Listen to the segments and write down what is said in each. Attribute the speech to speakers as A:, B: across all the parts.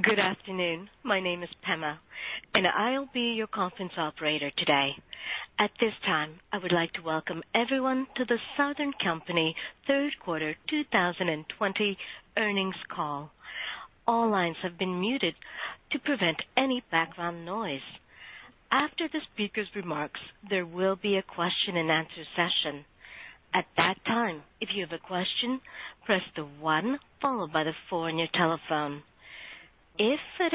A: Good afternoon. My name is Pema, and I'll be your conference operator today. At this time, I would like to welcome everyone to The Southern Company third quarter 2020 earnings call. As a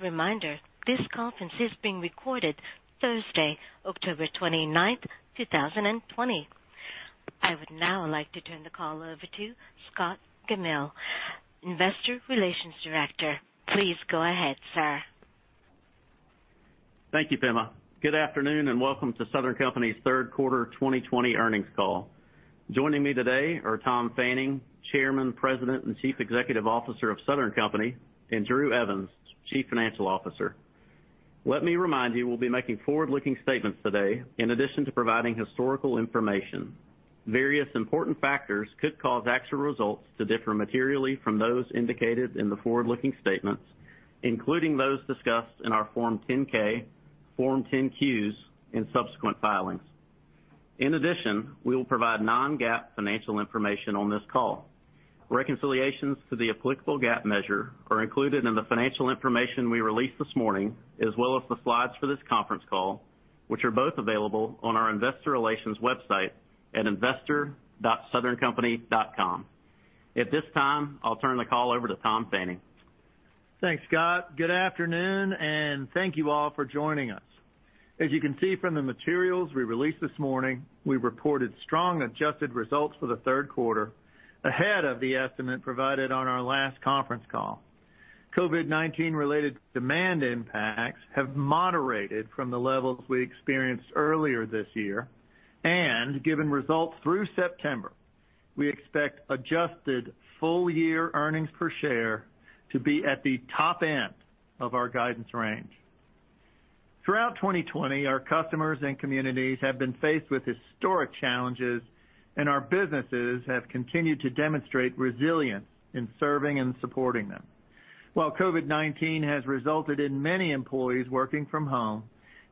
A: reminder, this conference is being recorded Thursday, October 29, 2020. I would now like to turn the call over to Scott Gammill, Investor Relations Director. Please go ahead, sir.
B: Thank you, Pema. Good afternoon, and welcome to Southern Company's third quarter 2020 earnings call. Joining me today are Tom Fanning, Chairman, President, and Chief Executive Officer of Southern Company, Drew Evans, Chief Financial Officer. Let me remind you, we'll be making forward-looking statements today in addition to providing historical information. Various important factors could cause actual results to differ materially from those indicated in the forward-looking statements, including those discussed in our Form 10-K, Form 10-Qs, and subsequent filings. In addition, we will provide non-GAAP financial information on this call. Reconciliations to the applicable GAAP measure are included in the financial information we released this morning, as well as the slides for this conference call, which are both available on our investor relations website at investor.southerncompany.com. At this time, I'll turn the call over to Tom Fanning.
C: Thanks, Scott. Good afternoon, thank you all for joining us. As you can see from the materials we released this morning, we reported strong adjusted results for the third quarter ahead of the estimate provided on our last conference call. COVID-19 related demand impacts have moderated from the levels we experienced earlier this year. Given results through September, we expect adjusted full-year earnings per share to be at the top end of our guidance range. Throughout 2020, our customers and communities have been faced with historic challenges. Our businesses have continued to demonstrate resilience in serving and supporting them. While COVID-19 has resulted in many employees working from home,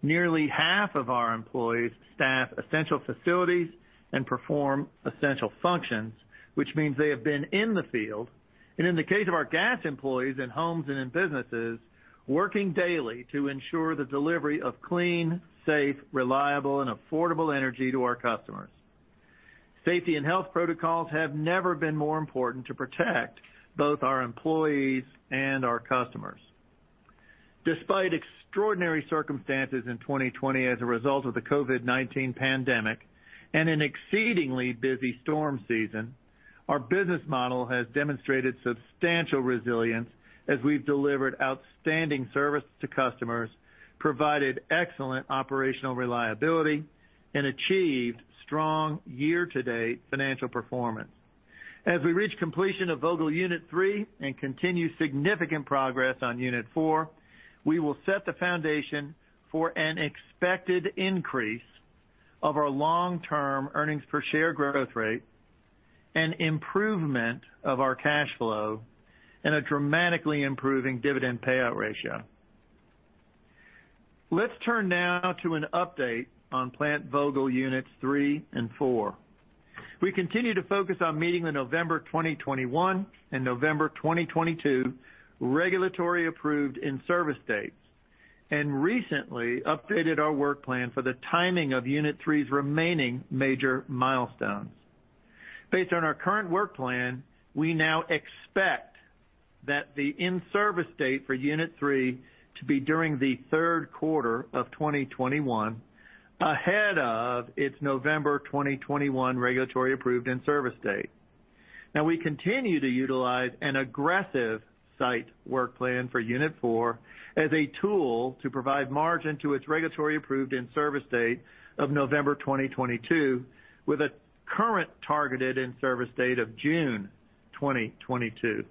C: nearly half of our employees staff essential facilities and perform essential functions, which means they have been in the field, and in the case of our gas employees in homes and in businesses, working daily to ensure the delivery of clean, safe, reliable, and affordable energy to our customers. Safety and health protocols have never been more important to protect both our employees and our customers. Despite extraordinary circumstances in 2020 as a result of the COVID-19 pandemic and an exceedingly busy storm season, our business model has demonstrated substantial resilience as we've delivered outstanding service to customers, provided excellent operational reliability, and achieved strong year-to-date financial performance. As we reach completion of Vogtle Unit 3 and continue significant progress on Unit 4, we will set the foundation for an expected increase of our long-term earnings per share growth rate, an improvement of our cash flow, and a dramatically improving dividend payout ratio. Let's turn now to an update on Plant Vogtle Units 3 and Units 4. We continue to focus on meeting the November 2021 and November 2022 regulatory-approved in-service dates, and recently updated our work plan for the timing of Unit 3's remaining major milestones. Based on our current work plan, we now expect that the in-service date for Unit 3 to be during the third quarter of 2021, ahead of its November 2021 regulatory-approved in-service date. We continue to utilize an aggressive site work plan for Unit 4 as a tool to provide margin to its regulatory-approved in-service date of November 2022, with a current targeted in-service date of June 2022.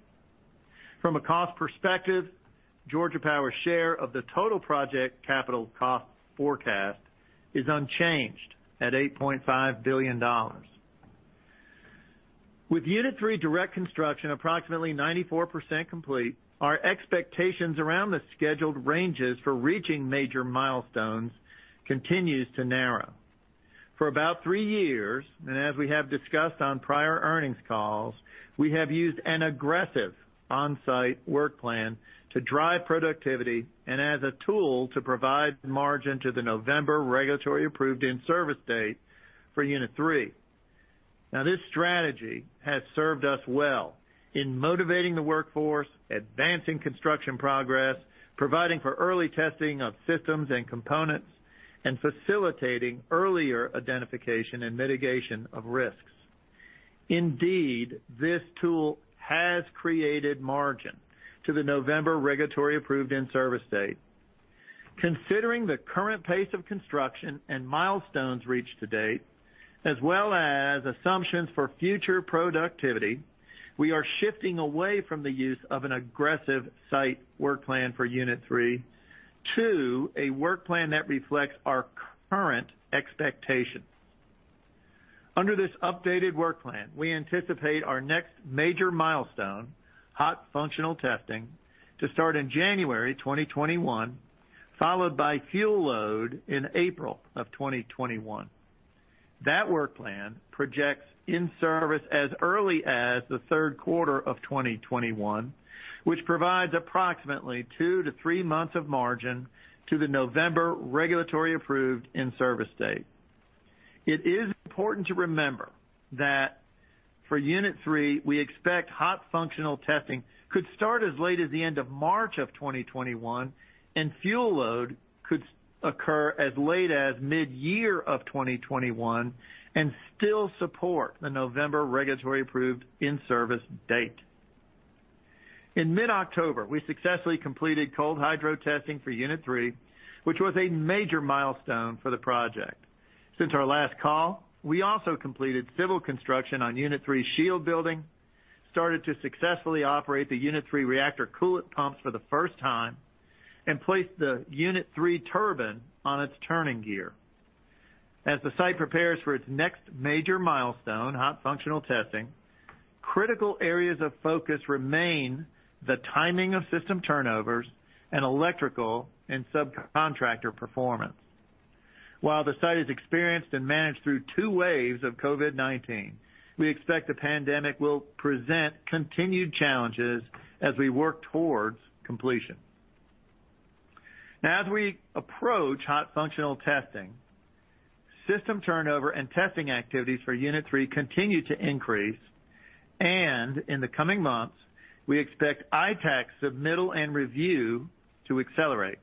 C: From a cost perspective, Georgia Power's share of the total project capital cost forecast is unchanged at $8.5 billion. With Unit 3 direct construction approximately 94% complete, our expectations around the scheduled ranges for reaching major milestones continues to narrow. For about three years, and as we have discussed on prior earnings calls, we have used an aggressive on-site work plan to drive productivity and as a tool to provide margin to the November regulatory-approved in-service date for Unit 3. This strategy has served us well in motivating the workforce, advancing construction progress, providing for early testing of systems and components, and facilitating earlier identification and mitigation of risks. Indeed, this tool has created margin to the November regulatory-approved in-service date. Considering the current pace of construction and milestones reached to date, as well as assumptions for future productivity, we are shifting away from the use of an aggressive site work plan for Unit 3 to a work plan that reflects our current expectations. Under this updated work plan, we anticipate our next major milestone, hot functional testing, to start in January 2021, followed by fuel load in April of 2021. That work plan projects in-service as early as the third quarter of 2021, which provides approximately two to three months of margin to the November regulatory-approved in-service date. It is important to remember that for Unit 3, we expect hot functional testing could start as late as the end of March of 2021, and fuel load could occur as late as mid-year of 2021 and still support the November regulatory approved in-service date. In mid-October, we successfully completed Cold Hydro Testing for Unit 3, which was a major milestone for the project. Since our last call, we also completed civil construction on Unit 3 shield building, started to successfully operate the Unit 3 reactor coolant pumps for the first time, and placed the Unit 3 turbine on its turning gear. As the site prepares for its next major milestone, hot functional testing, critical areas of focus remain the timing of system turnovers and electrical and subcontractor performance. While the site has experienced and managed through two waves of COVID-19, we expect the pandemic will present continued challenges as we work towards completion. As we approach hot functional testing, system turnover and testing activities for Unit 3 continue to increase, and in the coming months, we expect ITAAC submittal and review to accelerate.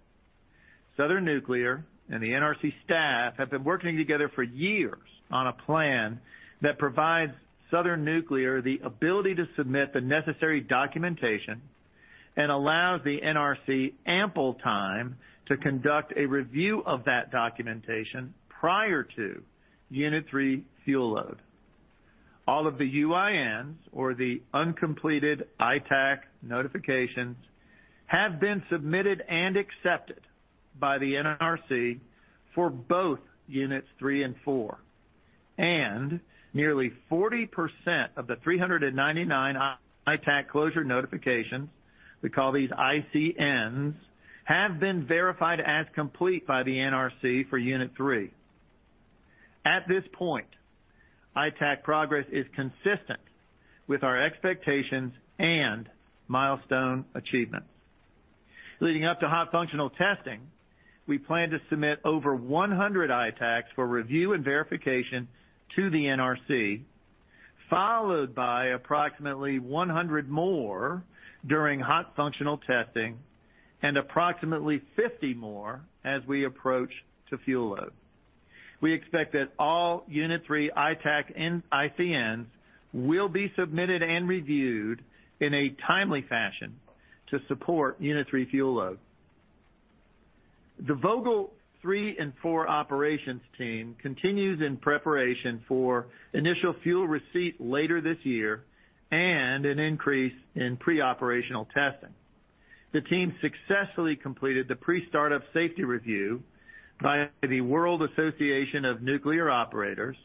C: Southern Nuclear and the NRC staff have been working together for years on a plan that provides Southern Nuclear the ability to submit the necessary documentation and allows the NRC ample time to conduct a review of that documentation prior to Unit 3 fuel load. All of the UINs, or the uncompleted ITAAC notifications, have been submitted and accepted by the NRC for both Unit 3 and Unit 4. And nearly 40% of the 399 ITAAC closure notifications, we call these ICNs, have been verified as complete by the NRC for Unit 3. At this point, ITAAC progress is consistent with our expectations and milestone achievements. Leading up to hot functional testing, we plan to submit over 100 ITAACs for review and verification to the NRC, followed by approximately 100 more during hot functional testing and approximately 50 more as we approach to fuel load. We expect that all Unit 3 ITAAC and ICNs will be submitted and reviewed in a timely fashion to support Unit 3 fuel load. The Vogtle 3 and Vogtle 4 operations team continues in preparation for initial fuel receipt later this year and an increase in pre-operational testing. The team successfully completed the pre-startup safety review by the World Association of Nuclear Operators,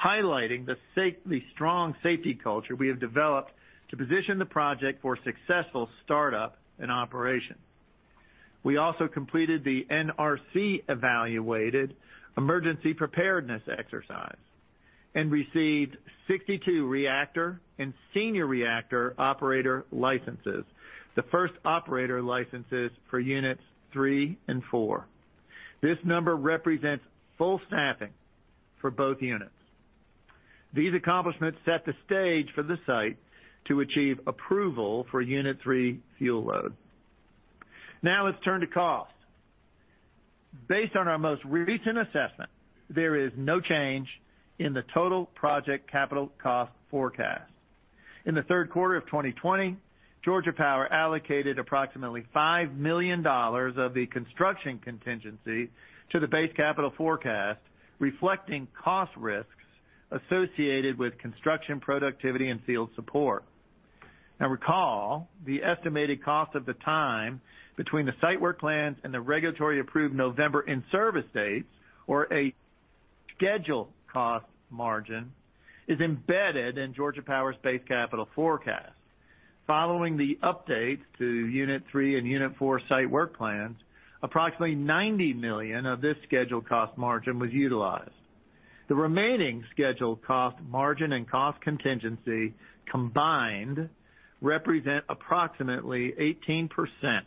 C: highlighting the strong safety culture we have developed to position the project for successful startup and operation. We also completed the NRC-evaluated emergency preparedness exercise and received 62 reactor and senior reactor operator licenses, the first operator licenses for Units 3 and Units 4. This number represents full staffing for both units. These accomplishments set the stage for the site to achieve approval for Unit 3 fuel load. Let's turn to cost. Based on our most recent assessment, there is no change in the total project capital cost forecast. In the third quarter of 2020, Georgia Power allocated approximately $5 million of the construction contingency to the base capital forecast, reflecting cost risks associated with construction productivity and field support. Recall, the estimated cost of the time between the site work plans and the regulatory approved November in-service dates, or a schedule cost margin, is embedded in Georgia Power's base capital forecast. Following the updates to Unit 3 and Unit 4 site work plans, approximately $90 million of this scheduled cost margin was utilized. The remaining scheduled cost margin and cost contingency combined represent approximately 18%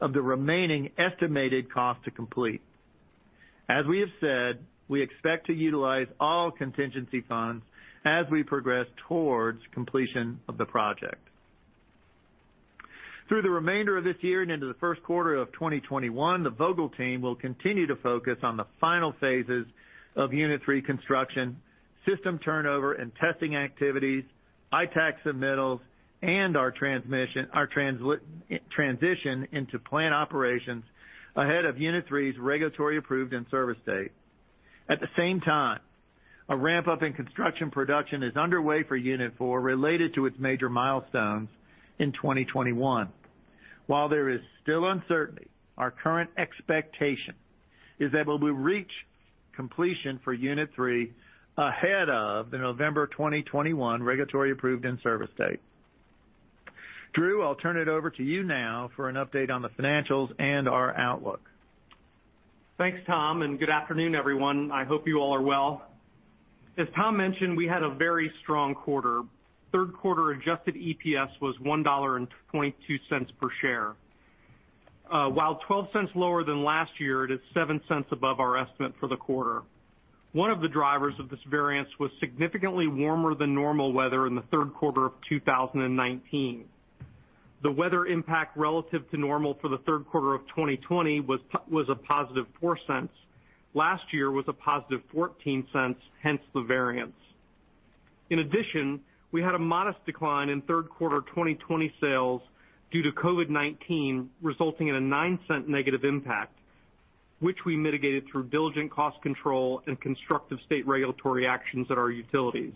C: of the remaining estimated cost to complete. As we have said, we expect to utilize all contingency funds as we progress towards completion of the project. Through the remainder of this year and into the first quarter of 2021, the Vogtle team will continue to focus on the final phases of Unit 3 construction, system turnover, and testing activities, ITAAC submittals, and our transition into plant operations ahead of Unit 3's regulatory approved in-service date. At the same time, a ramp-up in construction production is underway for Unit 4 related to its major milestones in 2021. While there is still uncertainty, our current expectation is that we'll reach completion for Unit 3 ahead of the November 2021 regulatory approved in-service date. Drew, I'll turn it over to you now for an update on the financials and our outlook.
D: Thanks, Tom. Good afternoon, everyone. I hope you all are well. As Tom mentioned, we had a very strong quarter. Third quarter adjusted EPS was $1.22 per share. While $0.12 lower than last year, it is $0.07 above our estimate for the quarter. One of the drivers of this variance was significantly warmer than normal weather in the third quarter of 2019. The weather impact relative to normal for the third quarter of 2020 was a +$0.04. Last year was a +$0.14, hence the variance. We had a modest decline in third quarter 2020 sales due to COVID-19, resulting in a $0.09- impact, which we mitigated through diligent cost control and constructive state regulatory actions at our utilities.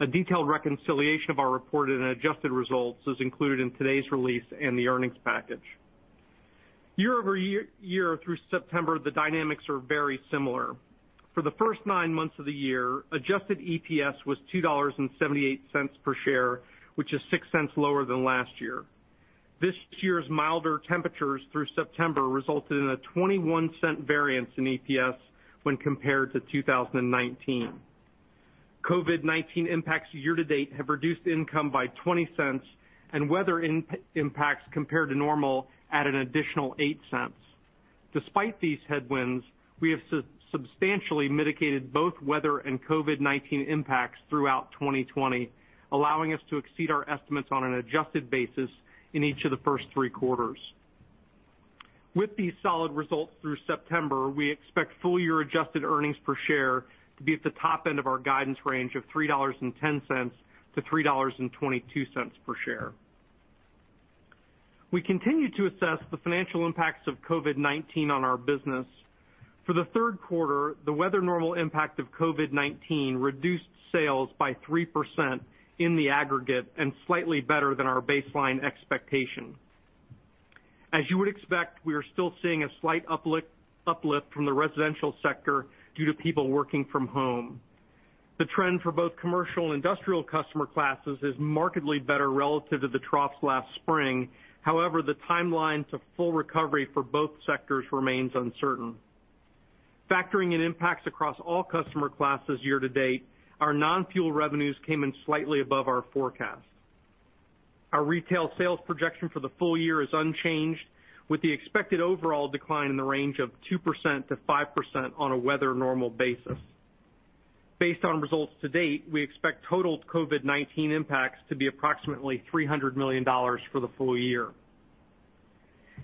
D: A detailed reconciliation of our reported and adjusted results is included in today's release and the earnings package. Year-over-year through September, the dynamics are very similar. For the first nine months of the year, adjusted EPS was $2.78 per share, which is $0.06 lower than last year. This year's milder temperatures through September resulted in a $0.21 variance in EPS when compared to 2019. COVID-19 impacts year-to-date have reduced income by $0.20, and weather impacts compared to normal add an additional $0.08. Despite these headwinds, we have substantially mitigated both weather and COVID-19 impacts throughout 2020, allowing us to exceed our estimates on an adjusted basis in each of the first three quarters. With these solid results through September, we expect full-year adjusted earnings per share to be at the top end of our guidance range of $3.10-$3.22 per share. We continue to assess the financial impacts of COVID-19 on our business. For the third quarter, the weather normal impact of COVID-19 reduced sales by 3% in the aggregate and slightly better than our baseline expectation. As you would expect, we are still seeing a slight uplift from the residential sector due to people working from home. The trend for both commercial and industrial customer classes is markedly better relative to the troughs last spring. However, the timeline to full recovery for both sectors remains uncertain. Factoring in impacts across all customer classes year-to-date, our non-fuel revenues came in slightly above our forecast. Our retail sales projection for the full year is unchanged, with the expected overall decline in the range of 2%-5% on a weather normal basis. Based on results to date, we expect total COVID-19 impacts to be approximately $300 million for the full year.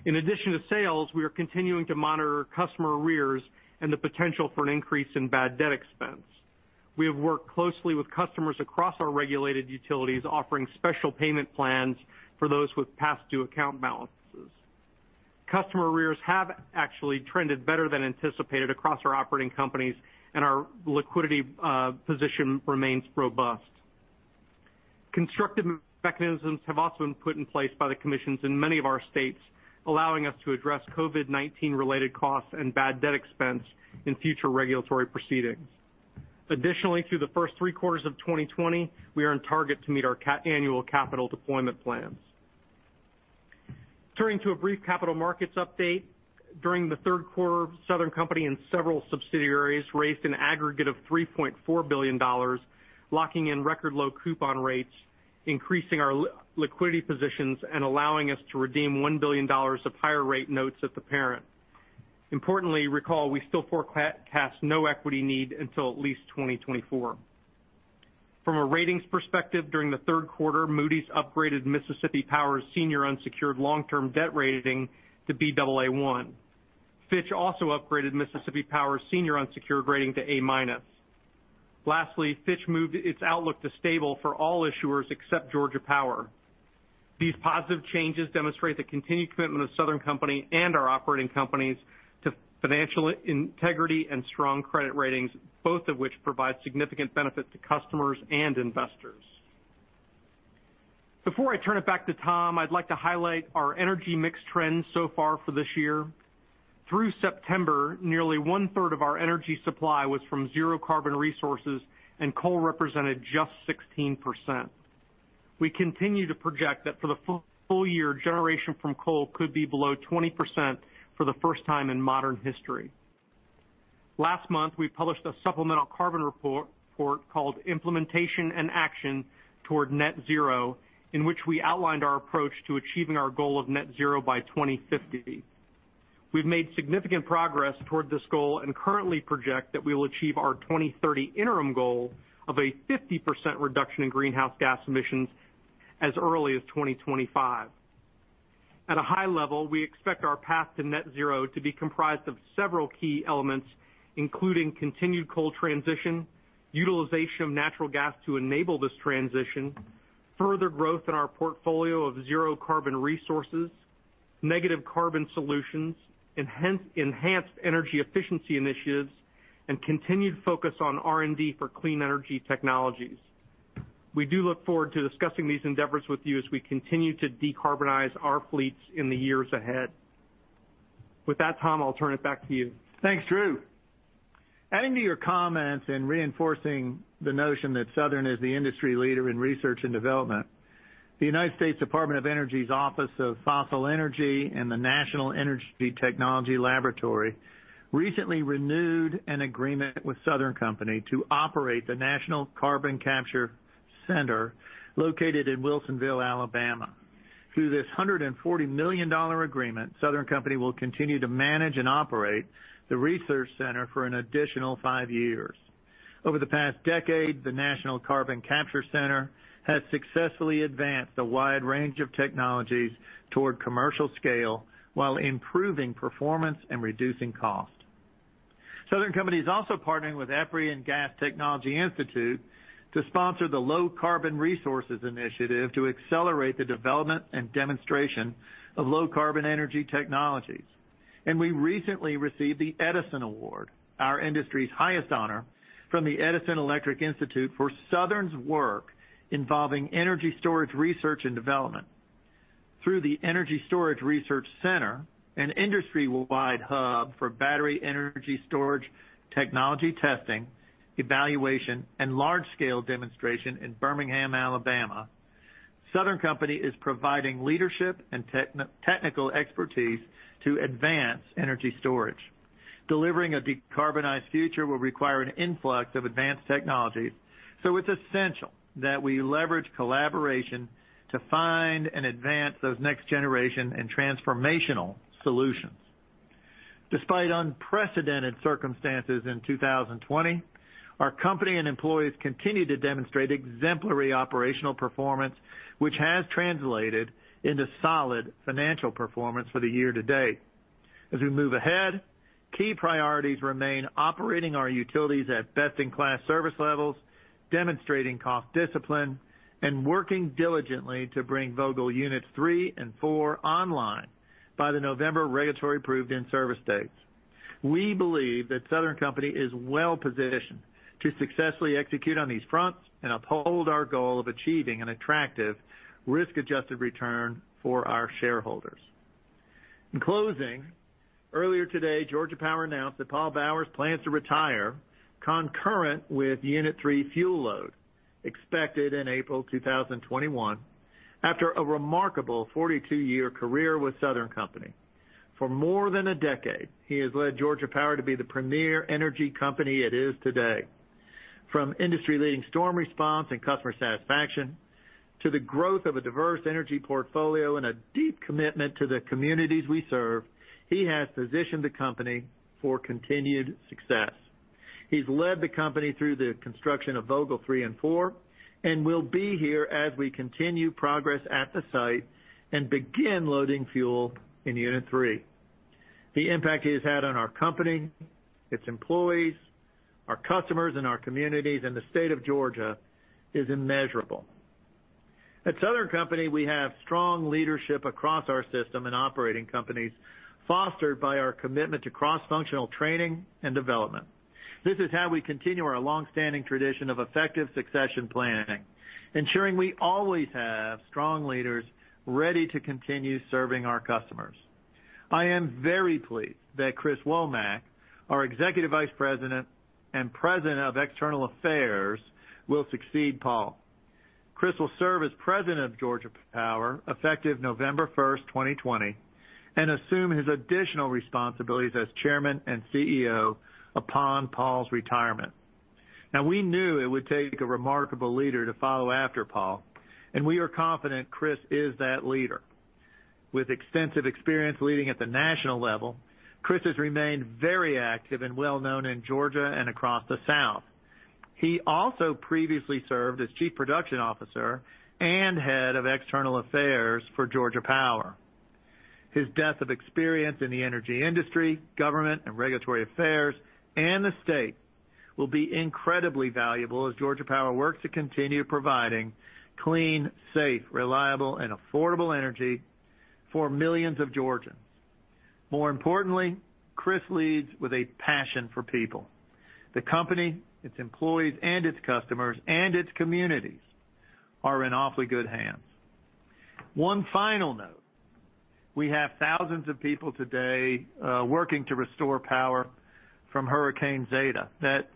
D: In addition to sales, we are continuing to monitor customer arrears and the potential for an increase in bad debt expense. We have worked closely with customers across our regulated utilities, offering special payment plans for those with past due account balances. Customer arrears have actually trended better than anticipated across our operating companies, and our liquidity position remains robust. Constructive mechanisms have also been put in place by the commissions in many of our states, allowing us to address COVID-19 related costs and bad debt expense in future regulatory proceedings. Additionally, through the first three quarters of 2020, we are on target to meet our annual capital deployment plans. Turning to a brief capital markets update. During the third quarter, Southern Company and several subsidiaries raised an aggregate of $3.4 billion, locking in record-low coupon rates, increasing our liquidity positions, and allowing us to redeem $1 billion of higher rate notes at the parent. Importantly, recall, we still forecast no equity need until at least 2024. From a ratings perspective, during the third quarter, Moody's upgraded Mississippi Power's senior unsecured long-term debt rating to Baa1. Fitch also upgraded Mississippi Power's senior unsecured rating to A-. Lastly, Fitch moved its outlook to stable for all issuers except Georgia Power. These positive changes demonstrate the continued commitment of Southern Company and our operating companies to financial integrity and strong credit ratings, both of which provide significant benefit to customers and investors. Before I turn it back to Tom, I'd like to highlight our energy mix trends so far for this year. Through September, nearly one-third of our energy supply was from zero carbon resources, and coal represented just 16%. We continue to project that for the full year, generation from coal could be below 20% for the first time in modern history. Last month, we published a supplemental carbon report called "Implementation and Action Toward Net Zero," in which we outlined our approach to achieving our goal of net zero by 2050. We've made significant progress toward this goal and currently project that we will achieve our 2030 interim goal of a 50% reduction in greenhouse gas emissions as early as 2025. At a high level, we expect our path to net zero to be comprised of several key elements, including continued coal transition, utilization of natural gas to enable this transition, further growth in our portfolio of zero carbon resources Negative carbon solutions, enhanced energy efficiency initiatives, and continued focus on R&D for clean energy technologies. We do look forward to discussing these endeavors with you as we continue to decarbonize our fleets in the years ahead. With that, Tom, I'll turn it back to you.
C: Thanks, Drew. Adding to your comments and reinforcing the notion that Southern is the industry leader in research and development, the United States Department of Energy's Office of Fossil Energy and the National Energy Technology Laboratory recently renewed an agreement with Southern Company to operate the National Carbon Capture Center located in Wilsonville, Alabama. Through this $140 million agreement, Southern Company will continue to manage and operate the research center for an additional five years. Over the past decade, the National Carbon Capture Center has successfully advanced a wide range of technologies toward commercial scale while improving performance and reducing cost. Southern Company is also partnering with EPRI and Gas Technology Institute to sponsor the Low Carbon Resources Initiative to accelerate the development and demonstration of low-carbon energy technologies. We recently received the Edison Award, our industry's highest honor, from the Edison Electric Institute for Southern's work involving energy storage, research, and development. Through the Energy Storage Research Center, an industry-wide hub for battery energy storage, technology testing, evaluation, and large-scale demonstration in Birmingham, Alabama, Southern Company is providing leadership and technical expertise to advance energy storage. Delivering a decarbonized future will require an influx of advanced technologies, so it's essential that we leverage collaboration to find and advance those next-generation and transformational solutions. Despite unprecedented circumstances in 2020, our company and employees continued to demonstrate exemplary operational performance, which has translated into solid financial performance for the year to date. As we move ahead, key priorities remain operating our utilities at best-in-class service levels, demonstrating cost discipline, and working diligently to bring Vogtle Units 3 and Units 4 online by the November regulatory approved in-service dates. We believe that Southern Company is well-positioned to successfully execute on these fronts and uphold our goal of achieving an attractive risk-adjusted return for our shareholders. In closing, earlier today, Georgia Power announced that Paul Bowers plans to retire concurrent with Unit 3 fuel load expected in April 2021 after a remarkable 42-year career with Southern Company. For more than a decade, he has led Georgia Power to be the premier energy company it is today. From industry-leading storm response and customer satisfaction to the growth of a diverse energy portfolio and a deep commitment to the communities we serve, he has positioned the company for continued success. He's led the company through the construction of Vogtle 3 and 4, and will be here as we continue progress at the site and begin loading fuel in Unit 3. The impact he's had on our company, its employees, our customers, and our communities, and the State of Georgia is immeasurable. At Southern Company, we have strong leadership across our system and operating companies fostered by our commitment to cross-functional training and development. This is how we continue our longstanding tradition of effective succession planning, ensuring we always have strong leaders ready to continue serving our customers. I am very pleased that Chris Womack, our Executive Vice President and President of External Affairs, will succeed Paul. Chris will serve as President of Georgia Power effective November 1st, 2020, and assume his additional responsibilities as Chairman and CEO upon Paul's retirement. We knew it would take a remarkable leader to follow after Paul, and we are confident Chris is that leader. With extensive experience leading at the national level, Chris has remained very active and well-known in Georgia and across the South. He also previously served as Chief Production Officer and Head of External Affairs for Georgia Power. His depth of experience in the energy industry, government, and regulatory affairs in the state will be incredibly valuable as Georgia Power works to continue providing clean, safe, reliable, and affordable energy for millions of Georgians. More importantly, Chris leads with a passion for people. The company, its employees and its customers and its communities are in awfully good hands. One final note: we have thousands of people today working to restore power from Hurricane Zeta that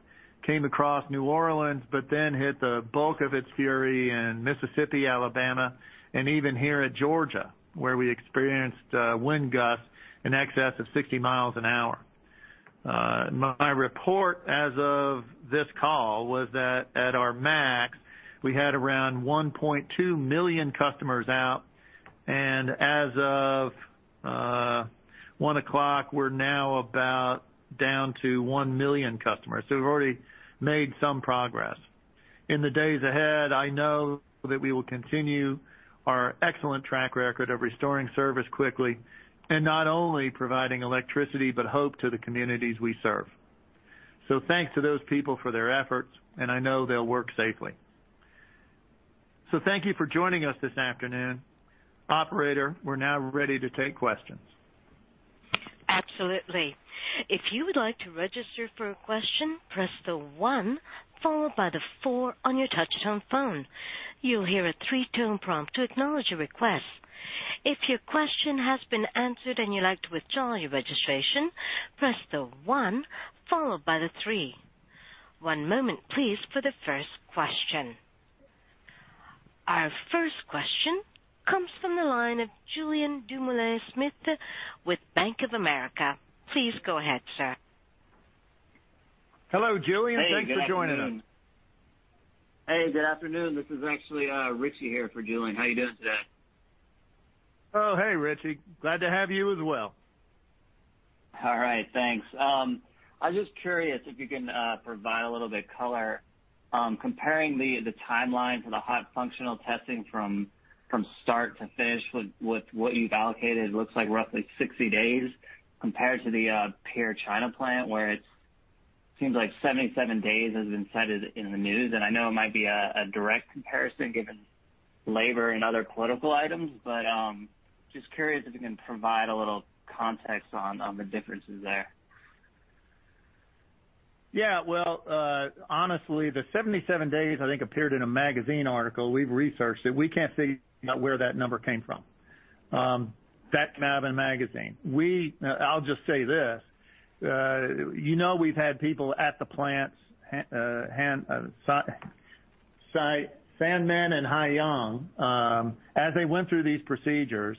C: came across New Orleans, but then hit the bulk of its fury in Mississippi, Alabama, and even here at Georgia, where we experienced wind gusts in excess of 60 mi an hour. My report as of this call was that at our max, we had around 1.2 million customers out, and as of, 1:00 P.M., we're now about down to 1 million customers. We've already made some progress. In the days ahead, I know that we will continue our excellent track record of restoring service quickly and not only providing electricity but hope to the communities we serve. Thanks to those people for their efforts, and I know they'll work safely. Thank you for joining us this afternoon. Operator, we're now ready to take questions.
A: One moment please for the first question. Our first question comes from the line of Julien Dumoulin-Smith with Bank of America. Please go ahead, sir.
C: Hello, Julien.
E: Hey, good afternoon.
C: Thanks for joining us.
E: Hey, good afternoon. This is actually Richie here for Julien. How you doing today?
C: Oh, hey, Richie. Glad to have you as well.
E: All right. Thanks. I'm just curious if you can provide a little bit of color, comparing the timeline for the hot functional testing from start to finish with what you've allocated. It looks like roughly 60 days compared to the peer China plant, where it seems like 77 days has been cited in the news. I know it might be a direct comparison given labor and other political items, but just curious if you can provide a little context on the differences there.
C: Yeah. Well, honestly, the 77 days, I think, appeared in a magazine article. We've researched it. We can't seem to find where that number came from. That came out of a magazine. I'll just say this. You know we've had people at the plants, site, Sanmen and Haiyang. As they went through these procedures,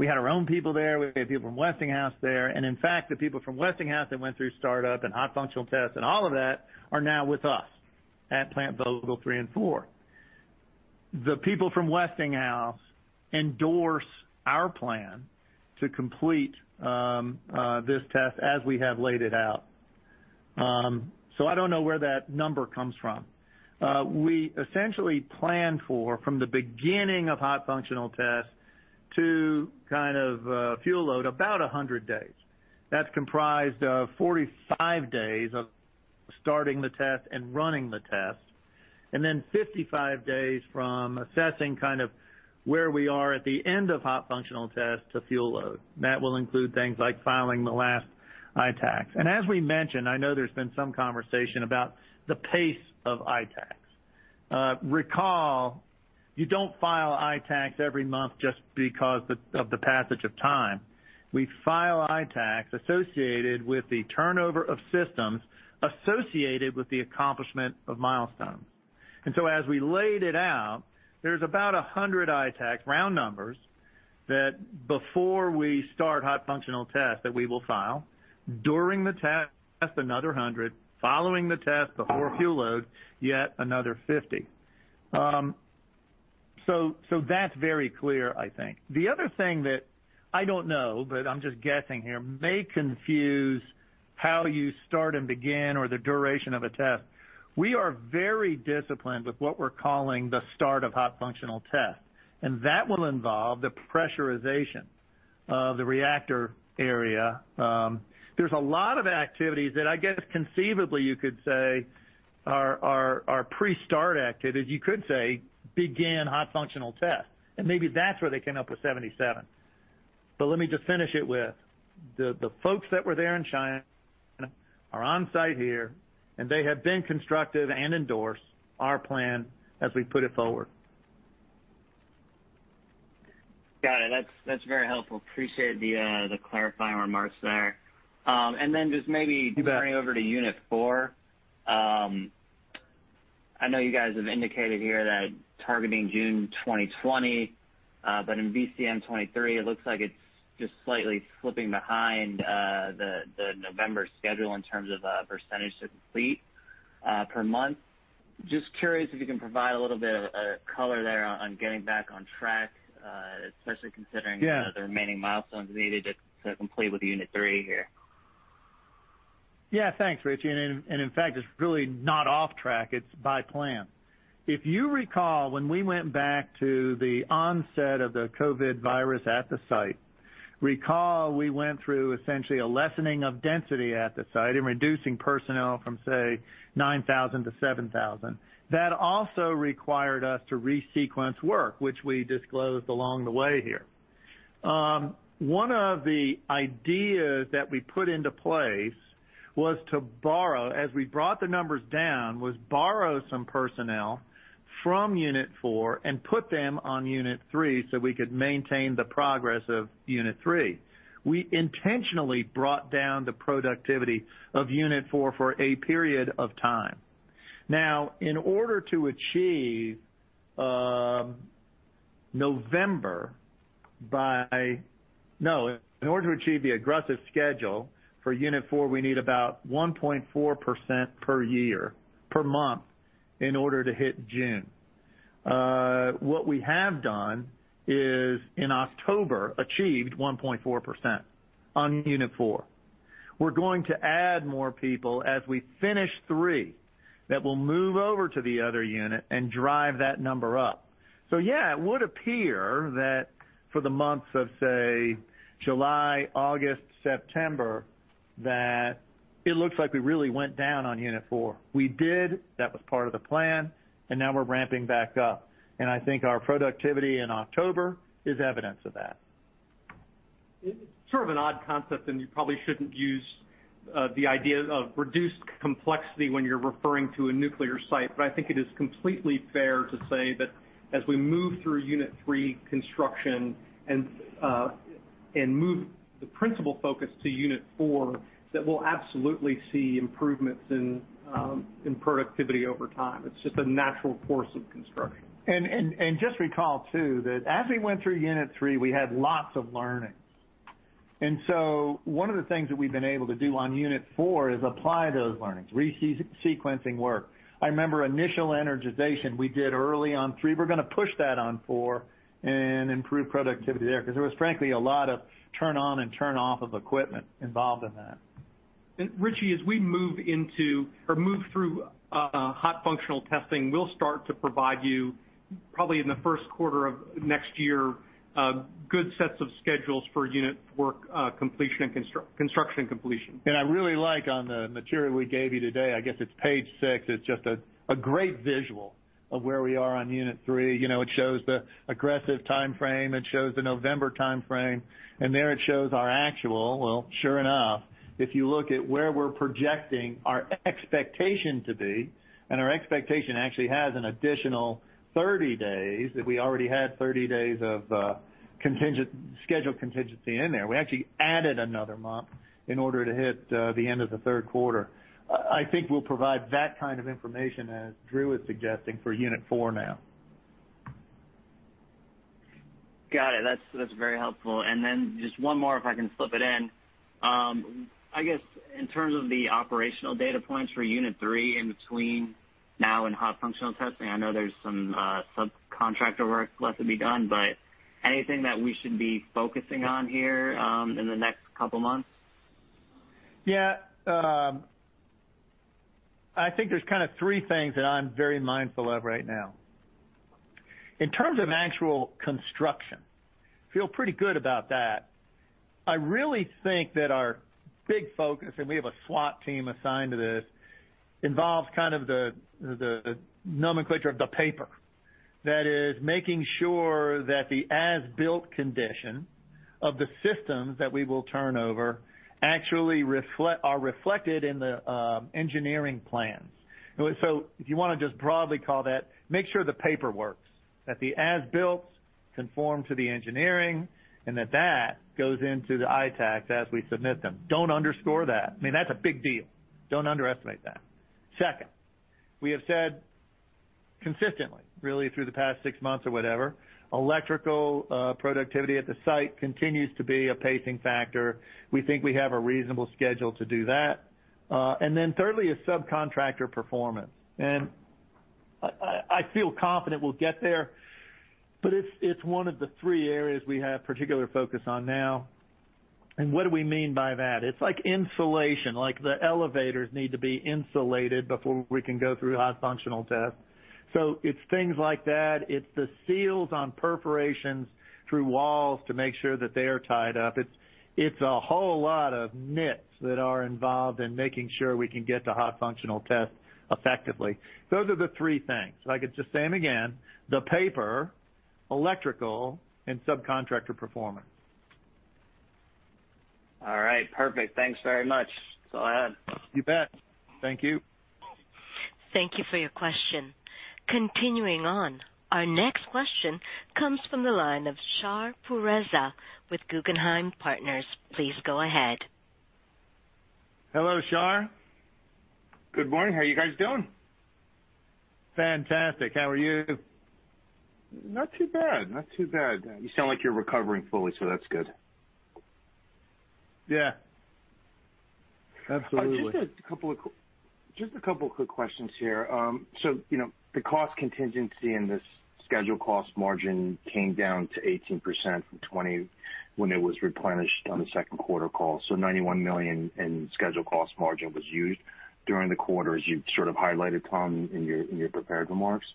C: we had our own people there, we had people from Westinghouse there, and in fact, the people from Westinghouse that went through startup and hot functional tests and all of that are now with us at Plant Vogtle 3 and 4. The people from Westinghouse endorse our plan to complete this test as we have laid it out. I don't know where that number comes from. We essentially plan for, from the beginning of hot functional tests to fuel load, about 100 days. That's comprised of 45 days of starting the test and running the test, then 55 days from assessing where we are at the end of hot functional tests to fuel load. That will include things like filing the last ITAAC. As we mentioned, I know there's been some conversation about the pace of ITAAC. Recall, you don't file ITAAC every month just because of the passage of time. We file ITAAC associated with the turnover of systems associated with the accomplishment of milestones. As we laid it out, there's about 100 ITAAC, round numbers, that before we start hot functional tests, that we will file. During the test, another 100. Following the test, before fuel load, yet another 50. That's very clear, I think. The other thing that I don't know, but I'm just guessing here, may confuse how you start and begin or the duration of a test. We are very disciplined with what we're calling the start of hot functional tests, and that will involve the pressurization of the reactor area. There's a lot of activities that I guess conceivably you could say are pre-start activities. You could say begin hot functional tests, and maybe that's where they came up with 77. Let me just finish it with, the folks that were there in China are on-site here, and they have been constructive and endorse our plan as we put it forward.
E: Got it. That's very helpful. Appreciate the clarifying remarks there.
C: You bet.
E: To bring it over to Unit 4. I know you guys have indicated here that targeting June 2020, but in VCM 23, it looks like it's just slightly slipping behind the November schedule in terms of percentage to complete per month. Just curious if you can provide a little bit of color there on getting back on track, especially considering.
C: Yeah
E: the remaining milestones needed to complete with Unit 3 here.
C: Thanks, Richie. In fact, it's really not off track. It's by plan. If you recall, when we went back to the onset of the COVID-19 at the site, recall we went through essentially a lessening of density at the site and reducing personnel from, say, 9,000-7,000. That also required us to resequence work, which we disclosed along the way here. One of the ideas that we put into place was to borrow, as we brought the numbers down, was borrow some personnel from Unit 4 and put them on Unit 3 so we could maintain the progress of Unit 3. We intentionally brought down the productivity of Unit 4 for a period of time. In order to achieve November. In order to achieve the aggressive schedule for Unit 4, we need about 1.4% per month in order to hit June. What we have done is, in October, achieved 1.4% on Unit 4. We're going to add more people as we finish Unit 3, that will move over to the other unit and drive that number up. Yeah, it would appear that for the months of, say, July, August, September. That it looks like we really went down on Unit 4. We did. That was part of the plan, and now we're ramping back up. I think our productivity in October is evidence of that.
D: It's sort of an odd concept. You probably shouldn't use the idea of reduced complexity when you're referring to a nuclear site. I think it is completely fair to say that as we move through Unit 3 construction and move the principal focus to Unit 4, that we'll absolutely see improvements in productivity over time. It's just a natural course of construction.
C: Just recall too that as we went through Unit 3, we had lots of learning. One of the things that we've been able to do on Unit 4 is apply those learnings, resequencing work. I remember initial energization we did early on Unit 3. We're going to push that on Unit 4 and improve productivity there, because there was frankly a lot of turn on and turn off of equipment involved in that.
D: Richie, as we move through hot functional testing, we'll start to provide you, probably in the first quarter of next year, good sets of schedules for unit work construction completion.
C: I really like on the material we gave you today, I guess it's page six. It's just a great visual of where we are on Unit 3. It shows the aggressive timeframe, it shows the November timeframe, and there it shows our actual. Well, sure enough, if you look at where we're projecting our expectation to be, and our expectation actually has an additional 30 days, that we already had 30 days of schedule contingency in there. We actually added another month in order to hit the end of the third quarter. I think we'll provide that kind of information, as Drew is suggesting, for Unit 4 now.
E: Got it. That's very helpful. Just one more, if I can slip it in. I guess in terms of the operational data points for Unit 3 in between now and hot functional testing, I know there's some subcontractor work left to be done, but anything that we should be focusing on here in the next couple of months?
C: Yeah. I think there's kind of three things that I'm very mindful of right now. In terms of actual construction, feel pretty good about that. I really think that our big focus, we have a SWAT team assigned to this, involves kind of the nomenclature of the paper. That is making sure that the as-built condition of the systems that we will turn over actually are reflected in the engineering plans. If you want to just broadly call that, make sure the paper works, that the as-builts conform to the engineering, that that goes into the ITAACs as we submit them. Don't underscore that. I mean, that's a big deal. Don't underestimate that. Second, we have said consistently, really through the past six months or whatever, electrical productivity at the site continues to be a pacing factor. We think we have a reasonable schedule to do that. Thirdly is subcontractor performance. I feel confident we'll get there, but it's one of the three areas we have particular focus on now. What do we mean by that? It's like insulation. The elevators need to be insulated before we can go through hot functional tests. It's things like that. It's the seals on perforations through walls to make sure that they are tied up. It's a whole lot of nits that are involved in making sure we can get to hot functional tests effectively. Those are the three things. I could just say them again. The paper, electrical, and subcontractor performance.
E: All right, perfect. Thanks very much. That's all I had.
C: You bet. Thank you.
A: Thank you for your question. Continuing on, our next question comes from the line of Shar Pourreza with Guggenheim Partners. Please go ahead.
C: Hello, Shar.
F: Good morning. How are you guys doing?
C: Fantastic. How are you?
F: Not too bad. You sound like you're recovering fully, so that's good.
C: Yeah. Absolutely.
F: Just a couple of quick questions here. The cost contingency and the scheduled cost margin came down to 18% from 20% when it was replenished on the second quarter call. $91 million in scheduled cost margin was used during the quarter, as you sort of highlighted, Tom, in your prepared remarks.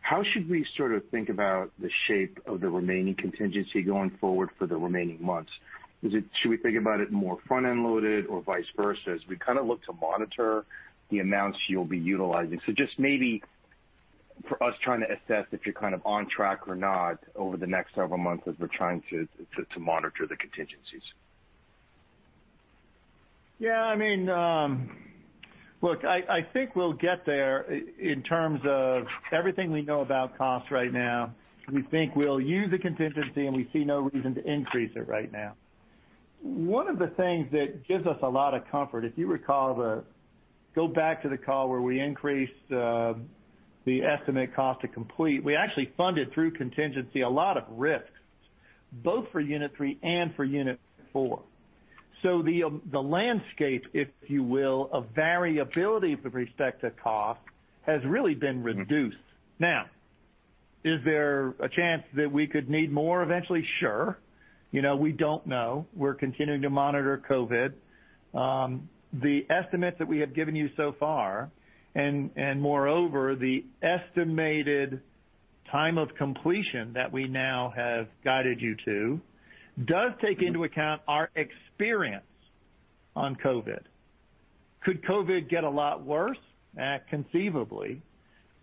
F: How should we sort of think about the shape of the remaining contingency going forward for the remaining months? Should we think about it more front-end loaded or vice versa as we kind of look to monitor the amounts you'll be utilizing? Just maybe for us trying to assess if you're kind of on track or not over the next several months as we're trying to monitor the contingencies.
C: I mean, look, I think we'll get there in terms of everything we know about cost right now. We think we'll use the contingency, and we see no reason to increase it right now. One of the things that gives us a lot of comfort, if you recall, go back to the call where we increased the estimate cost to complete. We actually funded through contingency a lot of risks, both for Unit 3 and for Unit 4. The landscape, if you will, of variability with respect to cost has really been reduced. Is there a chance that we could need more eventually? Sure. We don't know. We're continuing to monitor COVID. The estimates that we have given you so far, and moreover, the estimated time of completion that we now have guided you to does take into account our experience on COVID. Could COVID get a lot worse? Conceivably.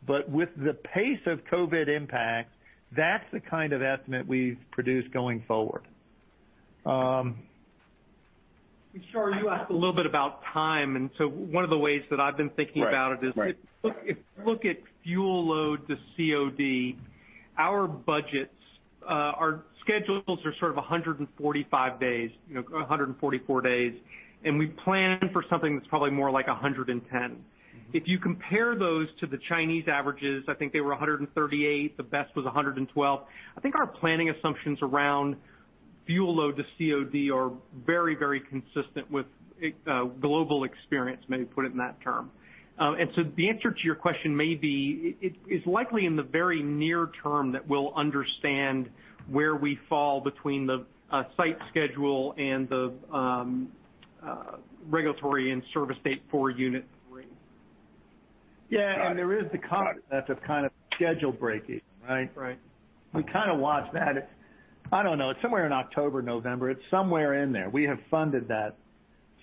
C: With the pace of COVID impact, that's the kind of estimate we've produced going forward.
D: Shar, you asked a little bit about time, and so one of the ways that I've been thinking about it.
F: Right.
D: If you look at fuel load to COD, our budgets, our schedules are sort of 145 days, 144 days, and we plan for something that's probably more like 110. If you compare those to the Chinese averages, I think they were 138, the best was 112. I think our planning assumptions around fuel load to COD are very consistent with global experience, maybe put it in that term. The answer to your question may be, it's likely in the very near term that we'll understand where we fall between the site schedule and the regulatory and service date for Unit 3.
C: Yeah. There is the concept of kind of schedule breakeven, right?
D: Right.
C: We kind of watch that. I don't know. It's somewhere in October, November. It's somewhere in there. We have funded that,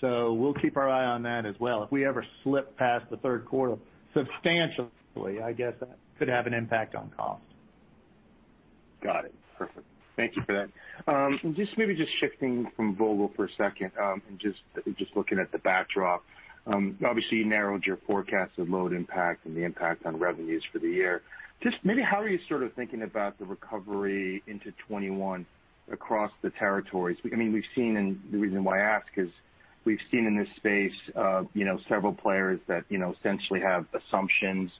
C: so we'll keep our eye on that as well. If we ever slip past the third quarter substantially, I guess that could have an impact on cost.
F: Got it. Perfect. Thank you for that. Just maybe just shifting from Vogtle for a second, and just looking at the backdrop. Obviously, you narrowed your forecast of load impact and the impact on revenues for the year. Just maybe how are you sort of thinking about the recovery into 2021 across the territories? The reason why I ask is we've seen in this space several players that essentially have assumptions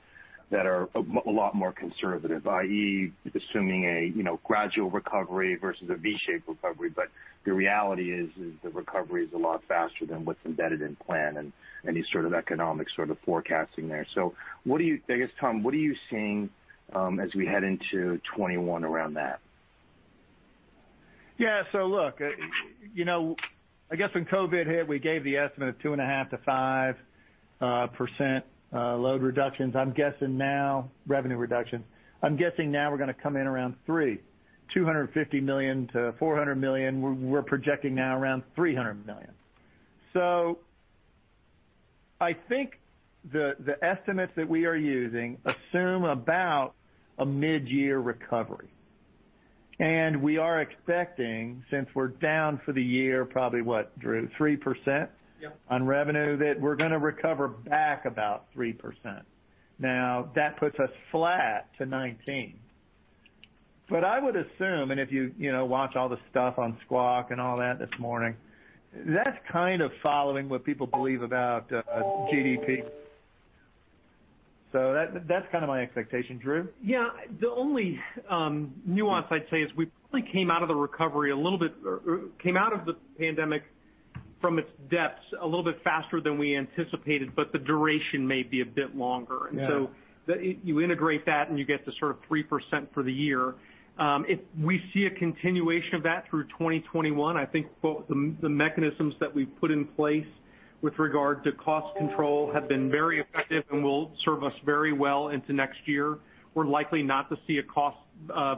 F: that are a lot more conservative, i.e., assuming a gradual recovery versus a V-shaped recovery. The reality is, the recovery is a lot faster than what's embedded in plan and any sort of economic sort of forecasting there. I guess, Tom, what are you seeing as we head into 2021 around that?
C: Yeah. Look, I guess when COVID hit, we gave the estimate of 2.5%-5% load reductions. I'm guessing now revenue reduction. I'm guessing now we're going to come in around 3%, $250 million-$400 million. We're projecting now around $300 million. I think the estimates that we are using assume about a mid-year recovery. We are expecting, since we're down for the year, probably what, Drew, 3%?
D: Yep.
C: On revenue, that we're going to recover back about 3%. That puts us flat to 2019. I would assume, and if you watch all the stuff on Squawk and all that this morning, that's kind of following what people believe about GDP. That's kind of my expectation. Drew?
D: Yeah. The only nuance I'd say is we probably came out of the pandemic from its depths a little bit faster than we anticipated, but the duration may be a bit longer.
C: Yeah.
D: You integrate that, and you get the sort of 3% for the year. If we see a continuation of that through 2021, I think both the mechanisms that we've put in place with regard to cost control have been very effective and will serve us very well into next year. We're likely not to see a cost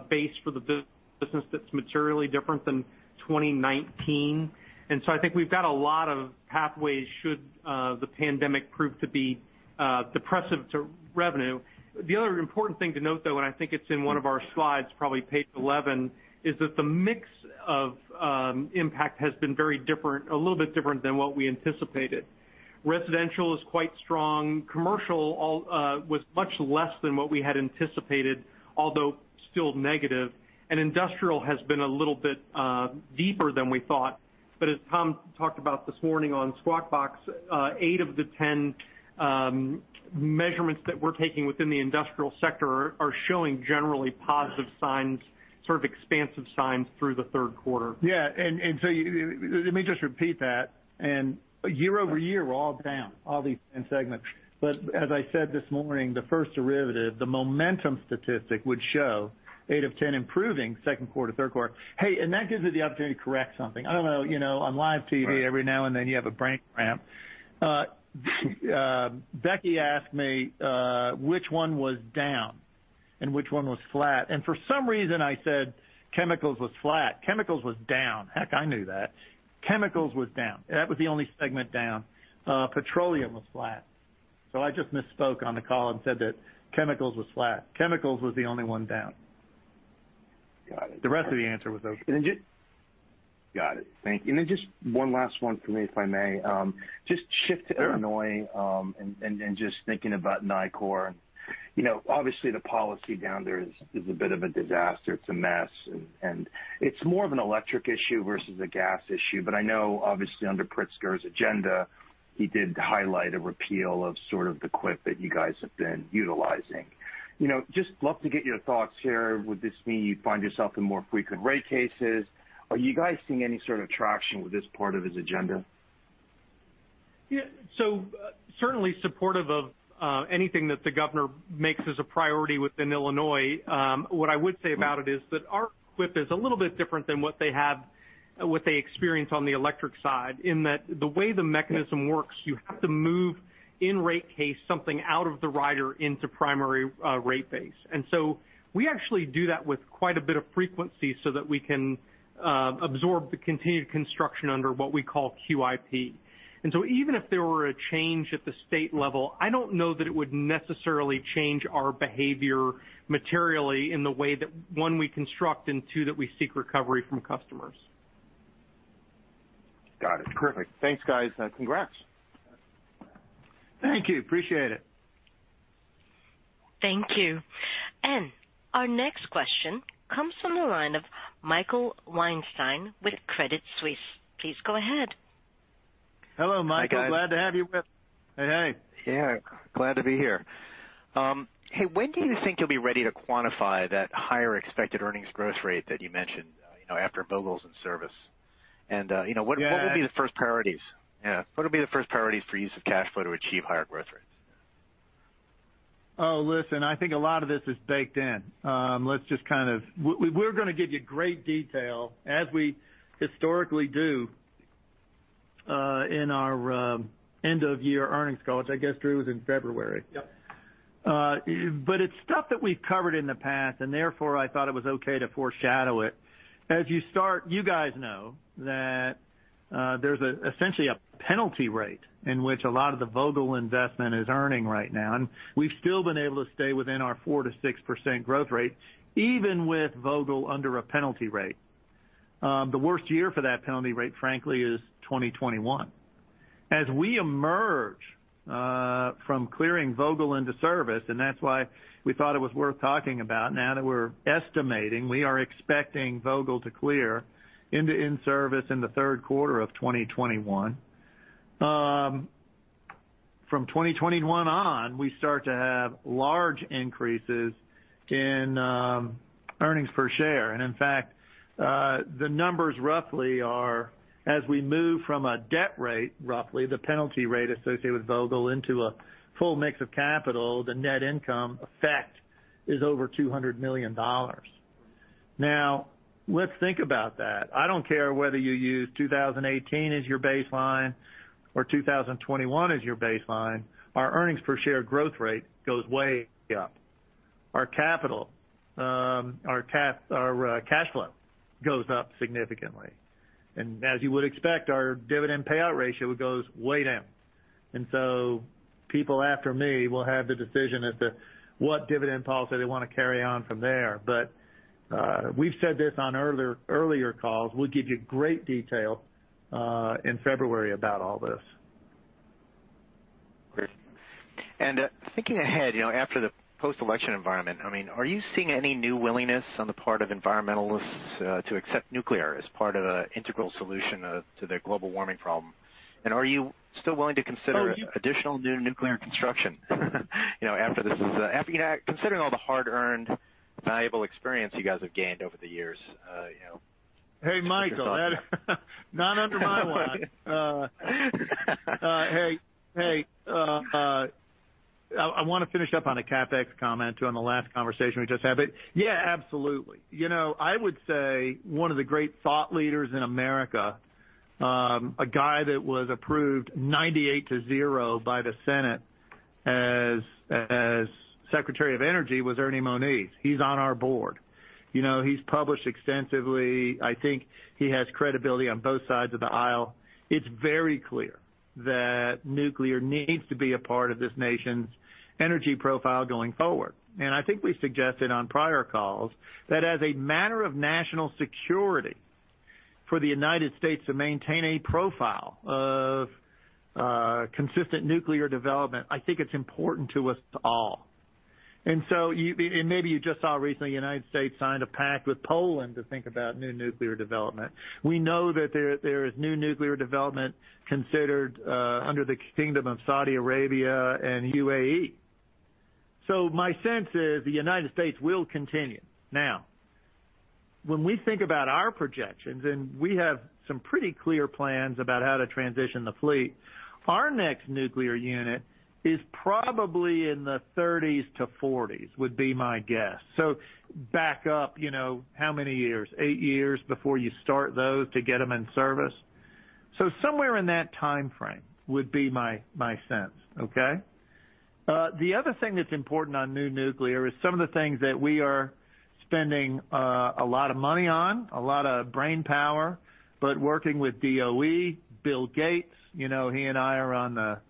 D: base for the business that's materially different than 2019. I think we've got a lot of pathways should the pandemic prove to be depressive to revenue. The other important thing to note, though, and I think it's in one of our slides, probably page 11, is that the mix of impact has been a little bit different than what we anticipated. Residential is quite strong. Commercial was much less than what we had anticipated, although still negative. Industrial has been a little bit deeper than we thought. As Tom talked about this morning on Squawk Box, eight of the 10 measurements that we're taking within the industrial sector are showing generally positive signs, sort of expansive signs through the third quarter.
C: Yeah. Let me just repeat that. Year-over-year, we're all down, all these 10 segments. As I said this morning, the first derivative, the momentum statistic would show eight of 10 improving second quarter, third quarter. Hey, that gives me the opportunity to correct something. I don't know, on live TV.
F: Right.
C: Every now and then you have a brain cramp. Becky asked me which one was down and which one was flat, and for some reason I said chemicals was flat. Chemicals was down. Heck, I knew that. Chemicals was down. That was the only segment down. Petroleum was flat. I just misspoke on the call and said that chemicals was flat. Chemicals was the only one down.
F: Got it.
C: The rest of the answer was okay.
F: Got it. Thank you. Just one last one for me, if I may. Just shift to Illinois.
C: Sure
F: Just thinking about Nicor. Obviously, the policy down there is a bit of a disaster. It's a mess, and it's more of an electric issue versus a gas issue. I know obviously under Pritzker's agenda, he did highlight a repeal of sort of the [QBAI] that you guys have been utilizing. Just love to get your thoughts here. Would this mean you find yourself in more frequent rate cases? Are you guys seeing any sort of traction with this part of his agenda?
D: Yeah. Certainly supportive of anything that the governor makes as a priority within Illinois. What I would say about it is that our QIP is a little bit different than what they experience on the electric side, in that the way the mechanism works, you have to move in rate case something out of the rider into primary rate base. We actually do that with quite a bit of frequency so that we can absorb the continued construction under what we call QIP. Even if there were a change at the state level, I don't know that it would necessarily change our behavior materially in the way that, one, we construct, and two, that we seek recovery from customers.
F: Got it. Perfect. Thanks, guys. Congrats.
C: Thank you. Appreciate it.
A: Thank you. Our next question comes from the line of Michael Weinstein with Credit Suisse. Please go ahead.
C: Hello, Michael.
D: Hi, guys.
C: Glad to have you with. Hey.
G: Yeah. Glad to be here. Hey, when do you think you'll be ready to quantify that higher expected earnings growth rate that you mentioned after Vogtle's in service?
C: Yeah.
G: What would be the first priorities? Yeah. What would be the first priorities for use of cash flow to achieve higher growth rates?
C: Listen, I think a lot of this is baked in. We're going to give you great detail, as we historically do, in our end of year earnings call, which I guess, Drew, is in February.
D: Yep.
C: It's stuff that we've covered in the past, and therefore I thought it was okay to foreshadow it. As you start, you know that there's essentially a penalty rate in which a lot of the Vogtle investment is earning right now. We've still been able to stay within our 4%-6% growth rate, even with Vogtle under a penalty rate. The worst year for that penalty rate, frankly, is 2021. As we emerge from clearing Vogtle into service, and that's why we thought it was worth talking about now that we're estimating we are expecting Vogtle to clear into in-service in the third quarter of 2021. From 2021 on, we start to have large increases in earnings per share. In fact, the numbers roughly are as we move from a debt rate, roughly the penalty rate associated with Vogtle into a full mix of capital, the net income effect is over $200 million. Now, let's think about that. I don't care whether you use 2018 as your baseline or 2021 as your baseline. Our earnings per share growth rate goes way up. Our cash flow goes up significantly. As you would expect, our dividend payout ratio goes way down. So people after me will have the decision as to what dividend policy they want to carry on from there. We've said this on earlier calls. We'll give you great detail in February about all this.
G: Great. Thinking ahead, after the post-election environment, are you seeing any new willingness on the part of environmentalists to accept nuclear as part of an integral solution to their global warming problem?
C: Oh, yeah.
G: Additional new nuclear construction? Considering all the hard-earned, valuable experience you guys have gained over the years.
C: Hey, Michael. Not under my watch. Hey. I want to finish up on a CapEx comment on the last conversation we just had. Yeah, absolutely. I would say one of the great thought leaders in America, a guy that was approved 98 to zero by the Senate as Secretary of Energy was Ernest Moniz. He's on our board. He's published extensively. I think he has credibility on both sides of the aisle. It's very clear that nuclear needs to be a part of this nation's energy profile going forward. I think we've suggested on prior calls that as a matter of national security for the U.S. to maintain a profile of consistent nuclear development, I think it's important to us all. Maybe you just saw recently, U.S. signed a pact with Poland to think about new nuclear development. We know that there is new nuclear development considered under the kingdom of Saudi Arabia and U.A.E. My sense is the United States will continue. When we think about our projections, and we have some pretty clear plans about how to transition the fleet, our next nuclear unit is probably in the 30s to 40s, would be my guess. Back up how many years? Eight years before you start those to get them in service. Somewhere in that timeframe would be my sense. Okay? The other thing that's important on new nuclear is some of the things that we are spending a lot of money on, a lot of brainpower, but working with DOE, Bill Gates, he and I are on the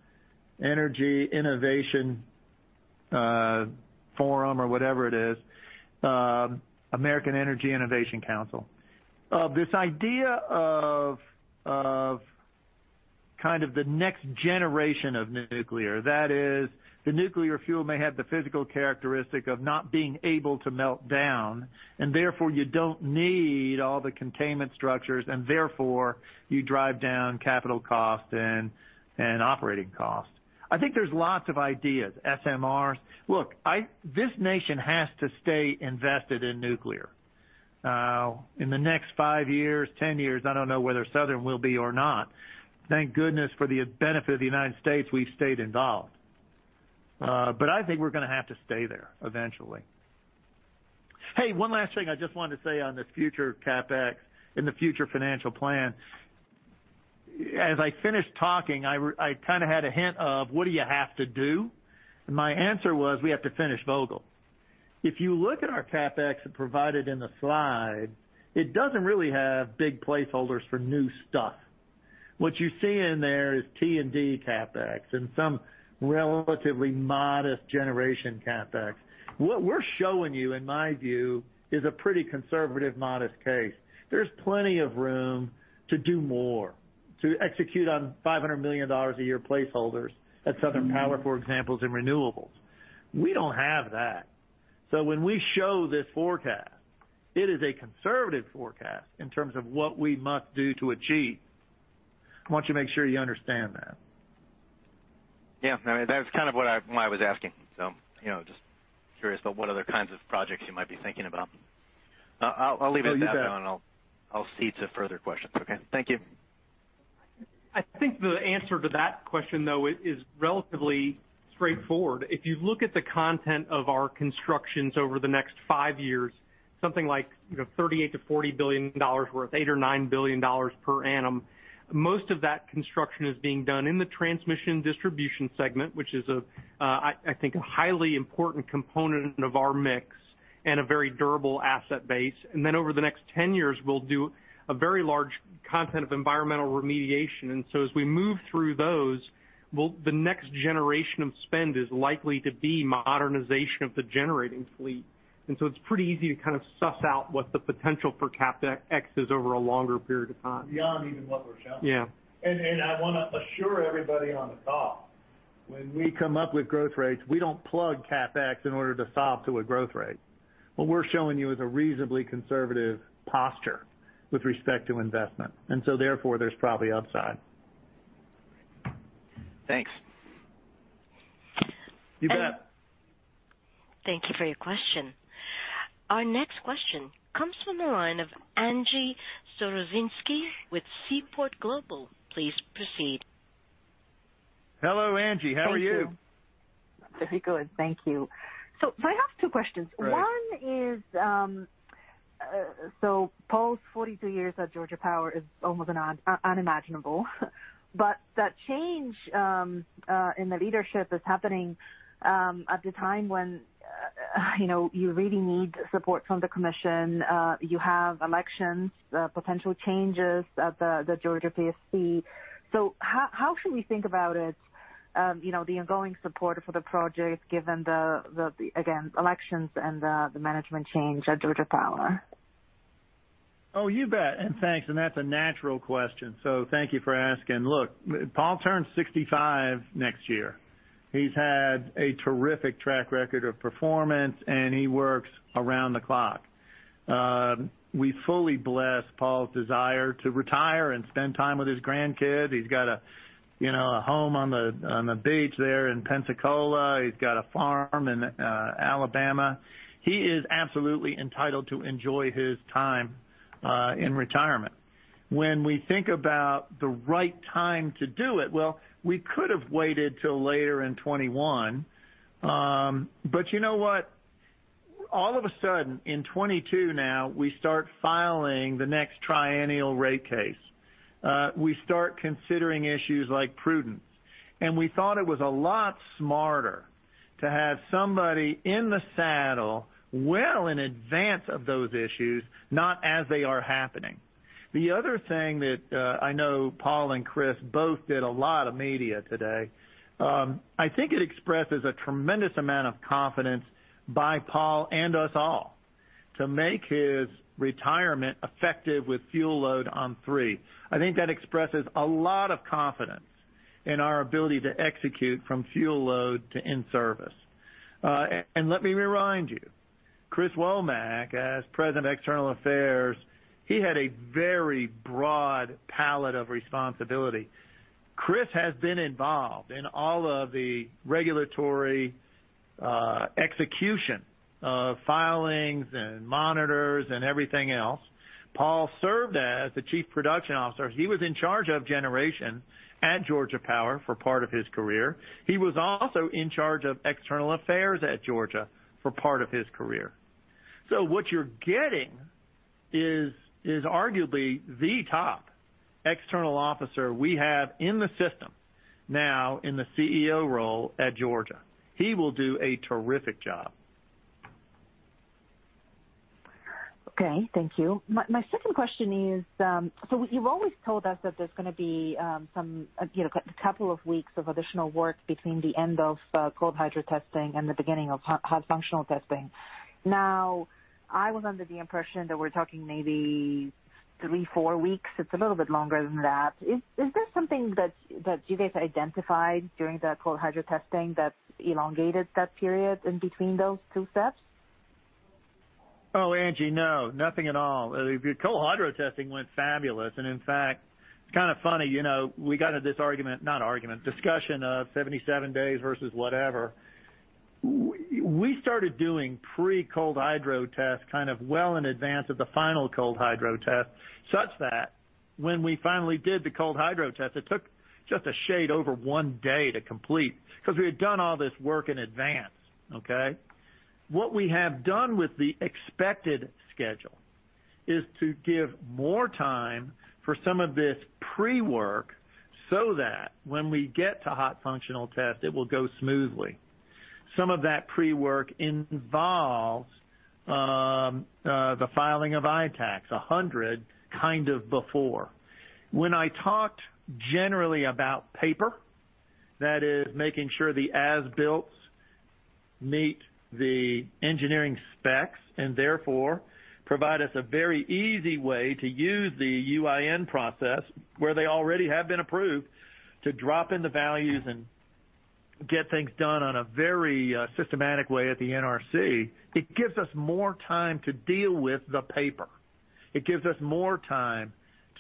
C: American Energy Innovation Council. This idea of kind of the next generation of nuclear. That is, the nuclear fuel may have the physical characteristic of not being able to melt down, and therefore you don't need all the containment structures, and therefore you drive down capital cost and operating cost. I think there's lots of ideas. SMRs. Look, this nation has to stay invested in nuclear. In the next five years, 10 years, I don't know whether Southern will be or not. Thank goodness for the benefit of the U.S., we've stayed involved. I think we're going to have to stay there eventually. Hey, one last thing I just wanted to say on this future CapEx and the future financial plan. As I finished talking, I kind of had a hint of what do you have to do? My answer was, we have to finish Vogtle. If you look at our CapEx provided in the slide, it doesn't really have big placeholders for new stuff. What you see in there is T&D CapEx and some relatively modest generation CapEx. What we're showing you, in my view, is a pretty conservative, modest case. There's plenty of room to do more, to execute on $500 million a year placeholders at Southern Power, for example, is in renewables. We don't have that. When we show this forecast, it is a conservative forecast in terms of what we must do to achieve. I want you to make sure you understand that.
G: Yeah. That's kind of what I was asking. Just curious about what other kinds of projects you might be thinking about. I'll leave it at that.
C: Oh, you bet.
G: I'll cede to further questions. Okay. Thank you.
D: I think the answer to that question, though, is relatively straightforward. If you look at the content of our constructions over the next five years, something like $38 billion-$40 billion worth, $8 billion or $9 billion per annum, most of that construction is being done in the transmission distribution segment, which is, I think, a highly important component of our mix and a very durable asset base. Then over the next 10 years, we'll do a very large content of environmental remediation. As we move through those, the next generation of spend is likely to be modernization of the generating fleet. It's pretty easy to kind of suss out what the potential for CapEx is over a longer period of time.
C: Beyond even what we're showing.
D: Yeah.
C: I want to assure everybody on the call, when we come up with growth rates, we don't plug CapEx in order to solve to a growth rate. What we're showing you is a reasonably conservative posture with respect to investment, therefore, there's probably upside.
G: Thanks.
C: You bet.
A: Thank you for your question. Our next question comes from the line of Angie Storozynski with Seaport Global. Please proceed.
C: Hello, Angie. How are you?
H: Thank you. Pretty good. Thank you. I have two questions.
C: Great.
H: One is, Paul's 42 years at Georgia Power is almost unimaginable. That change in the leadership is happening at the time when you really need support from the commission. You have elections, potential changes at the Georgia PSC. How should we think about it, the ongoing support for the project, given the, again, elections and the management change at Georgia Power?
C: You bet. Thanks. That's a natural question. Thank you for asking. Paul turns 65 next year. He's had a terrific track record of performance. He works around the clock. We fully bless Paul's desire to retire and spend time with his grandkids. He's got a home on the beach there in Pensacola. He's got a farm in Alabama. He is absolutely entitled to enjoy his time in retirement. When we think about the right time to do it, well, we could have waited till later in 2021. You know what? All of a sudden, in 2022 now, we start filing the next triennial rate case. We start considering issues like prudence. We thought it was a lot smarter to have somebody in the saddle well in advance of those issues, not as they are happening. The other thing that I know Paul and Chris both did a lot of media today. I think it expresses a tremendous amount of confidence by Paul and us all to make his retirement effective with fuel load on three. I think that expresses a lot of confidence in our ability to execute from fuel load to in-service. Let me remind you, Chris Womack, as President of External Affairs, he had a very broad palette of responsibility. Chris has been involved in all of the regulatory execution of filings and monitors and everything else. Paul served as the Chief Production Officer. He was in charge of generation at Georgia Power for part of his career. He was also in charge of external affairs at Georgia for part of his career. What you're getting is arguably the top external officer we have in the system now in the CEO role at Georgia. He will do a terrific job.
H: Okay. Thank you. My second question is, you've always told us that there's going to be a couple of weeks of additional work between the end of cold hydro testing and the beginning of hot functional testing. I was under the impression that we're talking maybe three, four weeks. It's a little bit longer than that. Is this something that you guys identified during the cold hydro testing that elongated that period in between those two steps?
C: Oh, Angie, no, nothing at all. The cold hydro testing went fabulous, and in fact, it's kind of funny. We got into this discussion of 77 days versus whatever. We started doing pre-cold hydro tests well in advance of the final cold hydro test, such that when we finally did the cold hydro test, it took just a shade over one day to complete because we had done all this work in advance. What we have done with the expected schedule is to give more time for some of this pre-work so that when we get to hot functional testing, it will go smoothly. Some of that pre-work involves the filing of ITAAC, 100, kind of before. When I talked generally about paper, that is making sure the as-builts meet the engineering specs and therefore provide us a very easy way to use the UIN process, where they already have been approved, to drop in the values and get things done on a very systematic way at the NRC. It gives us more time to deal with the paper. It gives us more time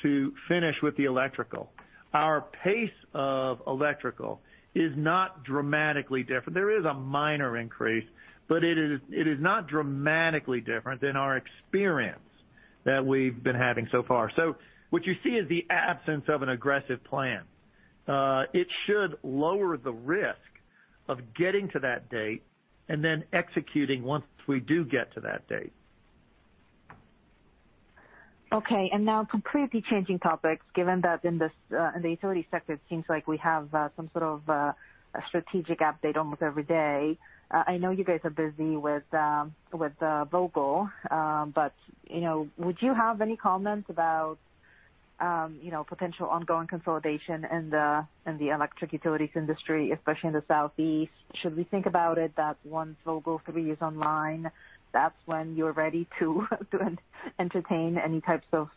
C: to finish with the electrical. Our pace of electrical is not dramatically different. There is a minor increase, but it is not dramatically different than our experience that we've been having so far. What you see is the absence of an aggressive plan. It should lower the risk of getting to that date and then executing once we do get to that date.
H: Okay, completely changing topics, given that in the utility sector, it seems like we have some sort of a strategic update almost every day. I know you guys are busy with Vogtle, would you have any comments about potential ongoing consolidation in the electric utilities industry, especially in the Southeast? Should we think about it that once Vogtle 3 is online, that's when you're ready to entertain any types of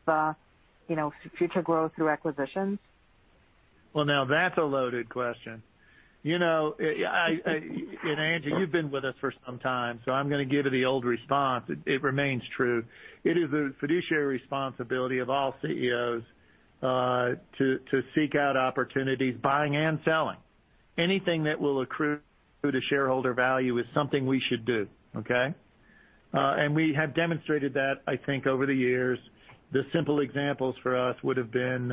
H: future growth through acquisitions?
C: Well, now that's a loaded question. Angie, you've been with us for some time, I'm going to give you the old response. It remains true. It is the fiduciary responsibility of all CEOs to seek out opportunities, buying and selling. Anything that will accrue to shareholder value is something we should do. Okay? We have demonstrated that, I think, over the years. The simple examples for us would've been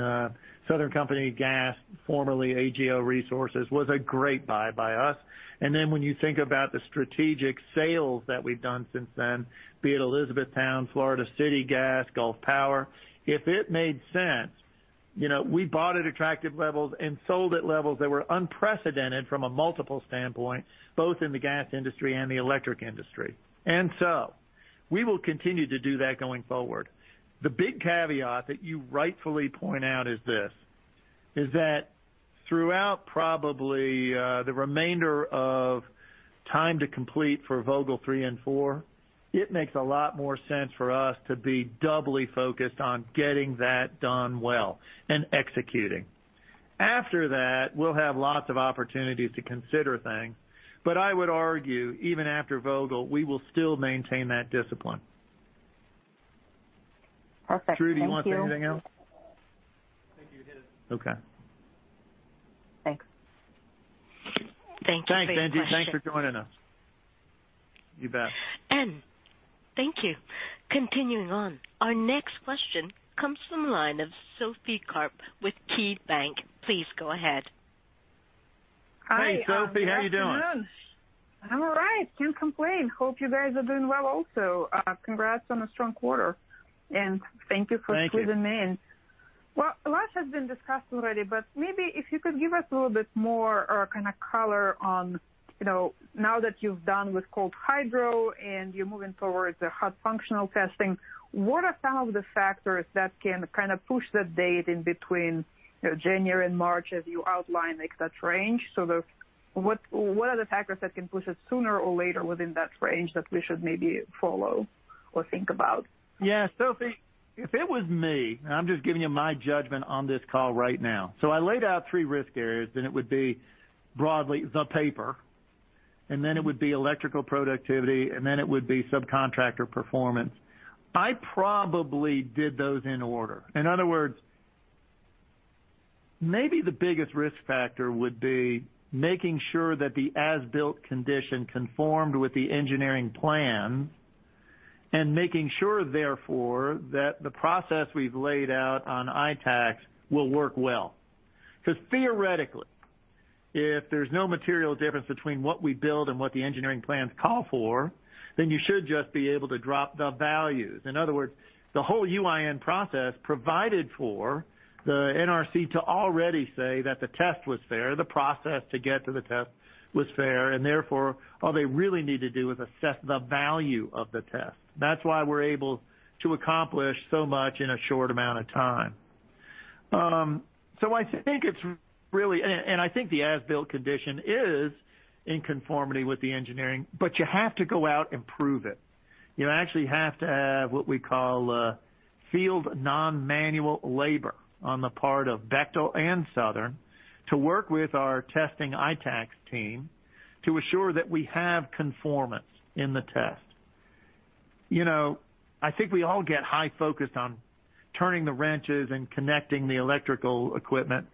C: Southern Company Gas, formerly AGL Resources, was a great buy by us. When you think about the strategic sales that we've done since then, be it Elizabethtown Gas, Florida City Gas, Gulf Power. If it made sense, we bought at attractive levels and sold at levels that were unprecedented from a multiple standpoint, both in the gas industry and the electric industry. We will continue to do that going forward. The big caveat that you rightfully point out is this: is that throughout probably the remainder of time to complete for Vogtle three and four, it makes a lot more sense for us to be doubly focused on getting that done well and executing. After that, we'll have lots of opportunities to consider things. I would argue even after Vogtle, we will still maintain that discipline.
H: Perfect. Thank you.
C: Drew, do you want anything else?
D: I think you hit it.
C: Okay.
H: Thanks.
A: Thank you for your question.
C: Thanks, Angie. Thanks for joining us. You bet.
A: Thank you. Continuing on, our next question comes from the line of Sophie Karp with KeyBanc. Please go ahead.
C: Hey, Sophie. How are you doing?
I: Hi. Good afternoon. I'm all right. Can't complain. Hope you guys are doing well also. Congrats on a strong quarter, and thank you for squeezing me in.
C: Thank you.
I: Well, a lot has been discussed already, but maybe if you could give us a little bit more color on now that you've done with cold hydro and you're moving towards the hot functional testing, what are some of the factors that can push the date in between January and March as you outline like that range? What are the factors that can push it sooner or later within that range that we should maybe follow or think about?
C: Yeah, Sophie, if it was me, and I'm just giving you my judgment on this call right now. I laid out three risk areas, and it would be broadly the paper, and then it would be electrical productivity, and then it would be subcontractor performance. I probably did those in order. In other words, maybe the biggest risk factor would be making sure that the as-built condition conformed with the engineering plan, and making sure, therefore, that the process we've laid out on ITAAC will work well. Theoretically, if there's no material difference between what we build and what the engineering plans call for, then you should just be able to drop the values. In other words, the whole UIN process provided for the NRC to already say that the test was fair, the process to get to the test was fair, and therefore, all they really need to do is assess the value of the test. That's why we're able to accomplish so much in a short amount of time. I think the as-built condition is in conformity with the engineering, but you have to go out and prove it. You actually have to have what we call field non-manual labor on the part of Bechtel and Southern to work with our testing ITAAC team to assure that we have conformance in the test. I think we all get high focused on turning the wrenches and connecting the electrical equipment.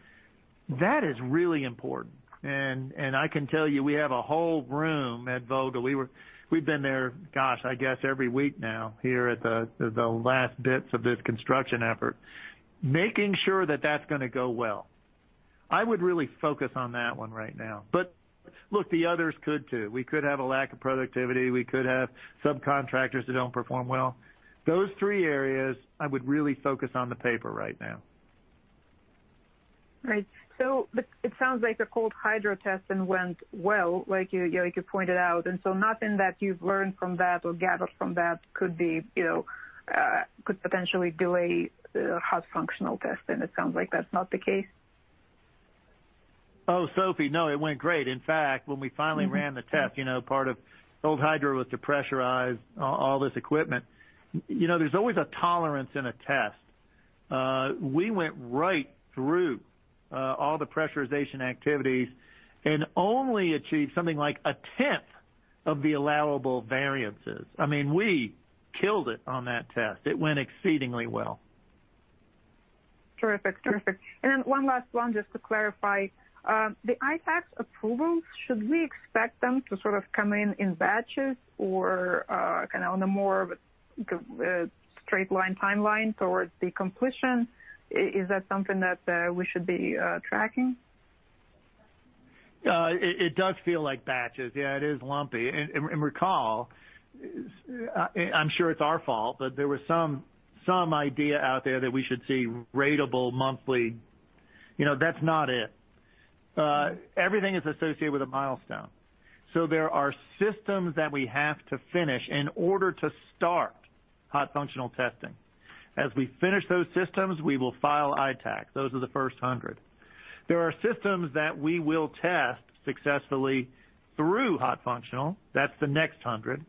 C: That is really important, and I can tell you we have a whole room at Vogtle. We've been there, gosh, I guess every week now, here at the last bits of this construction effort, making sure that that's going to go well. I would really focus on that one right now. Look, the others could too. We could have a lack of productivity. We could have subcontractors that don't perform well. Those three areas, I would really focus on the paper right now.
I: Right. It sounds like the cold hydro testing went well, like you pointed out. Nothing that you've learned from that or gathered from that could potentially delay the hot functional testing. It sounds like that's not the case.
C: Sophie, no, it went great. In fact, when we finally ran the test, part of cold hydro was to pressurize all this equipment. There's always a tolerance in a test. We went right through all the pressurization activities and only achieved something like a 10th of the allowable variances. We killed it on that test. It went exceedingly well.
I: Terrific. One last one just to clarify. The ITAAC approvals, should we expect them to sort of come in in batches or kind of on a more of a straight-line timeline towards the completion? Is that something that we should be tracking?
C: It does feel like batches. Yeah, it is lumpy. Recall, I'm sure it's our fault, but there was some idea out there that we should see ratable monthly. That's not it. Everything is associated with a milestone. There are systems that we have to finish in order to start hot functional testing. As we finish those systems, we will file ITAACs. Those are the first 100. There are systems that we will test successfully through hot functional. That's the next 100.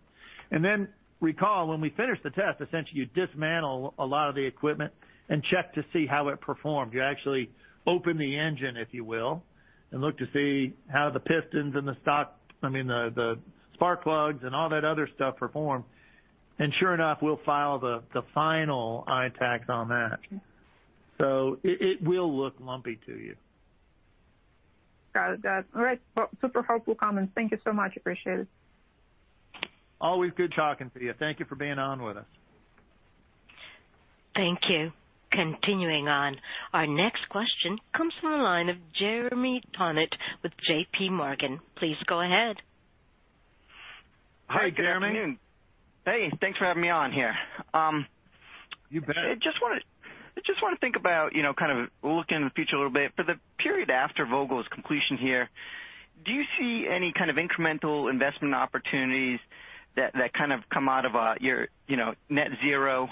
C: Then recall, when we finish the test, essentially, you dismantle a lot of the equipment and check to see how it performed. You actually open the engine, if you will, and look to see how the pistons and the spark plugs and all that other stuff performed. Sure enough, we'll file the final ITAACs on that. It will look lumpy to you.
I: Got it. All right. Well, super helpful comments. Thank you so much. Appreciate it.
C: Always good talking to you. Thank you for being on with us.
A: Thank you. Continuing on. Our next question comes from the line of Jeremy Tonet with JPMorgan. Please go ahead.
C: Hi, Jeremy.
J: Good afternoon. Hey, thanks for having me on here.
C: You bet.
J: I just want to think about kind of looking in the future a little bit. For the period after Vogtle's completion here, do you see any kind of incremental investment opportunities that kind of come out of your Net Zero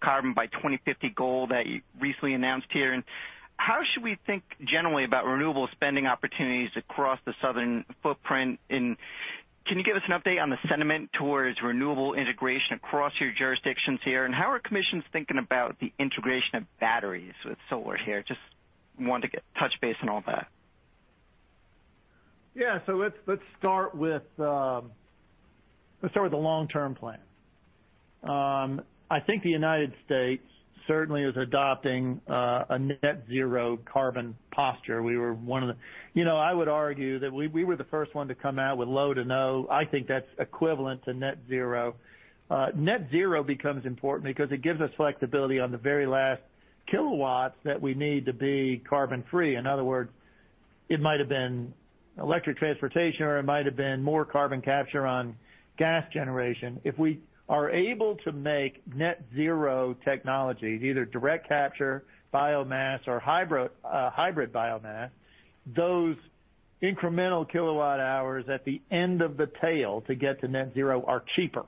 J: Carbon by 2050 Goal that you recently announced here? How should we think generally about renewable spending opportunities across the Southern footprint? Can you give us an update on the sentiment towards renewable integration across your jurisdictions here? How are commissions thinking about the integration of batteries with solar here? Just want to touch base on all that.
C: Yeah. Let's start with the long-term plan. I think the United States certainly is adopting a net zero carbon posture. I would argue that we were the first one to come out with low to no. I think that's equivalent to net zero. Net zero becomes important because it gives us flexibility on the very last kilowatts that we need to be carbon-free. In other words, it might've been electric transportation, or it might've been more carbon capture on gas generation. If we are able to make net zero technologies, either direct capture, biomass, or hybrid biomass, those incremental kilowatt hours at the end of the tail to get to net zero are cheaper.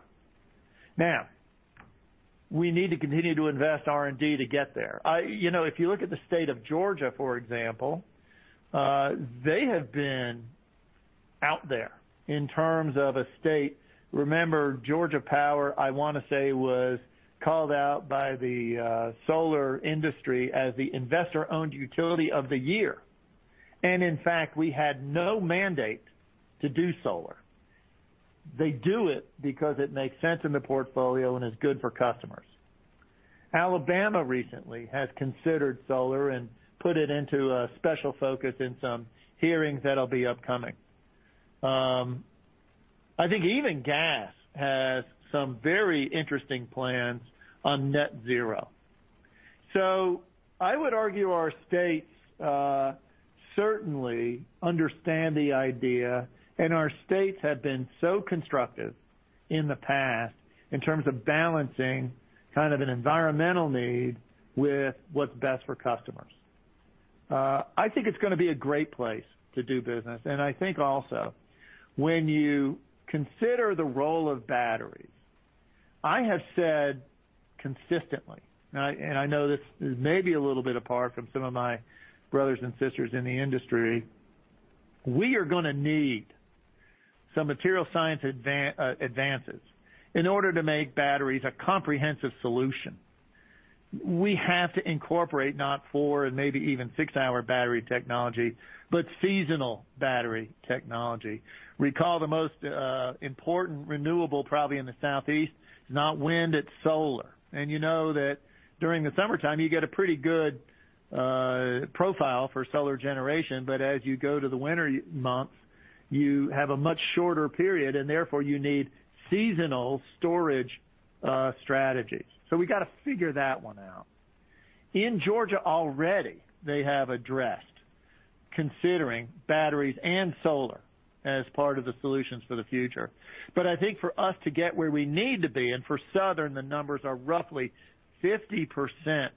C: We need to continue to invest R&D to get there. If you look at the state of Georgia, for example, they have been out there in terms of a state. Remember, Georgia Power, I want to say, was called out by the solar industry as the investor-owned utility of the year. In fact, we had no mandate to do solar. They do it because it makes sense in the portfolio and is good for customers. Alabama recently has considered solar and put it into a special focus in some hearings that'll be upcoming. I think even gas has some very interesting plans on net zero. I would argue our states certainly understand the idea, and our states have been so constructive in the past in terms of balancing kind of an environmental need with what's best for customers. I think it's going to be a great place to do business. I think also when you consider the role of batteries, I have said consistently, and I know this is maybe a little bit apart from some of my brothers and sisters in the industry, we are going to need some material science advances in order to make batteries a comprehensive solution. We have to incorporate not four and maybe even six-hour battery technology, but seasonal battery technology. Recall the most important renewable, probably in the Southeast, is not wind, it's solar. You know that during the summertime, you get a pretty good profile for solar generation, but as you go to the winter months, you have a much shorter period, and therefore you need seasonal storage strategies. We got to figure that one out. In Georgia already, they have addressed considering batteries and solar as part of the solutions for the future. I think for us to get where we need to be, and for Southern, the numbers are roughly 50%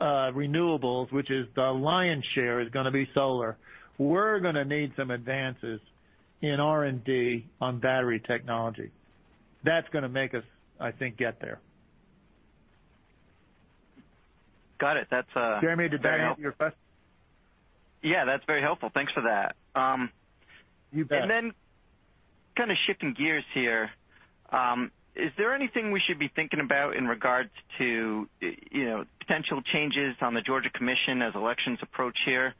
C: renewables, which is the lion's share, is going to be solar. We're going to need some advances in R&D on battery technology. That's going to make us, I think, get there.
J: Got it.
C: Jeremy, did that answer your question?
J: Yeah, that's very helpful. Thanks for that.
C: You bet.
J: Kind of shifting gears here. Is there anything we should be thinking about in regards to potential changes on the Georgia Commission as elections approach here?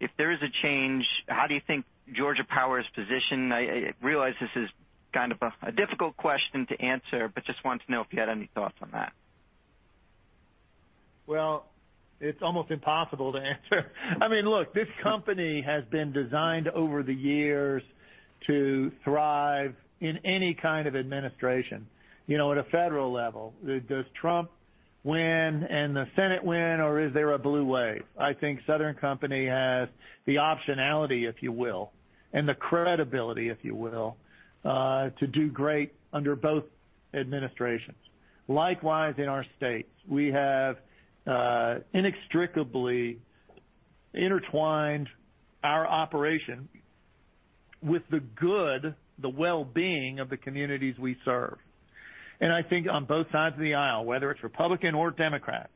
J: If there is a change, how do you think Georgia Power is positioned? I realize this is kind of a difficult question to answer, but just wanted to know if you had any thoughts on that.
C: Well, it's almost impossible to answer. I mean, look, this company has been designed over the years to thrive in any kind of administration. At a federal level, does Trump win and the Senate win, or is there a blue wave? I think Southern Company has the optionality, if you will, and the credibility, if you will, to do great under both administrations. Likewise, in our states, we have inextricably intertwined our operation with the good, the well-being of the communities we serve. I think on both sides of the aisle, whether it's Republican or Democrat,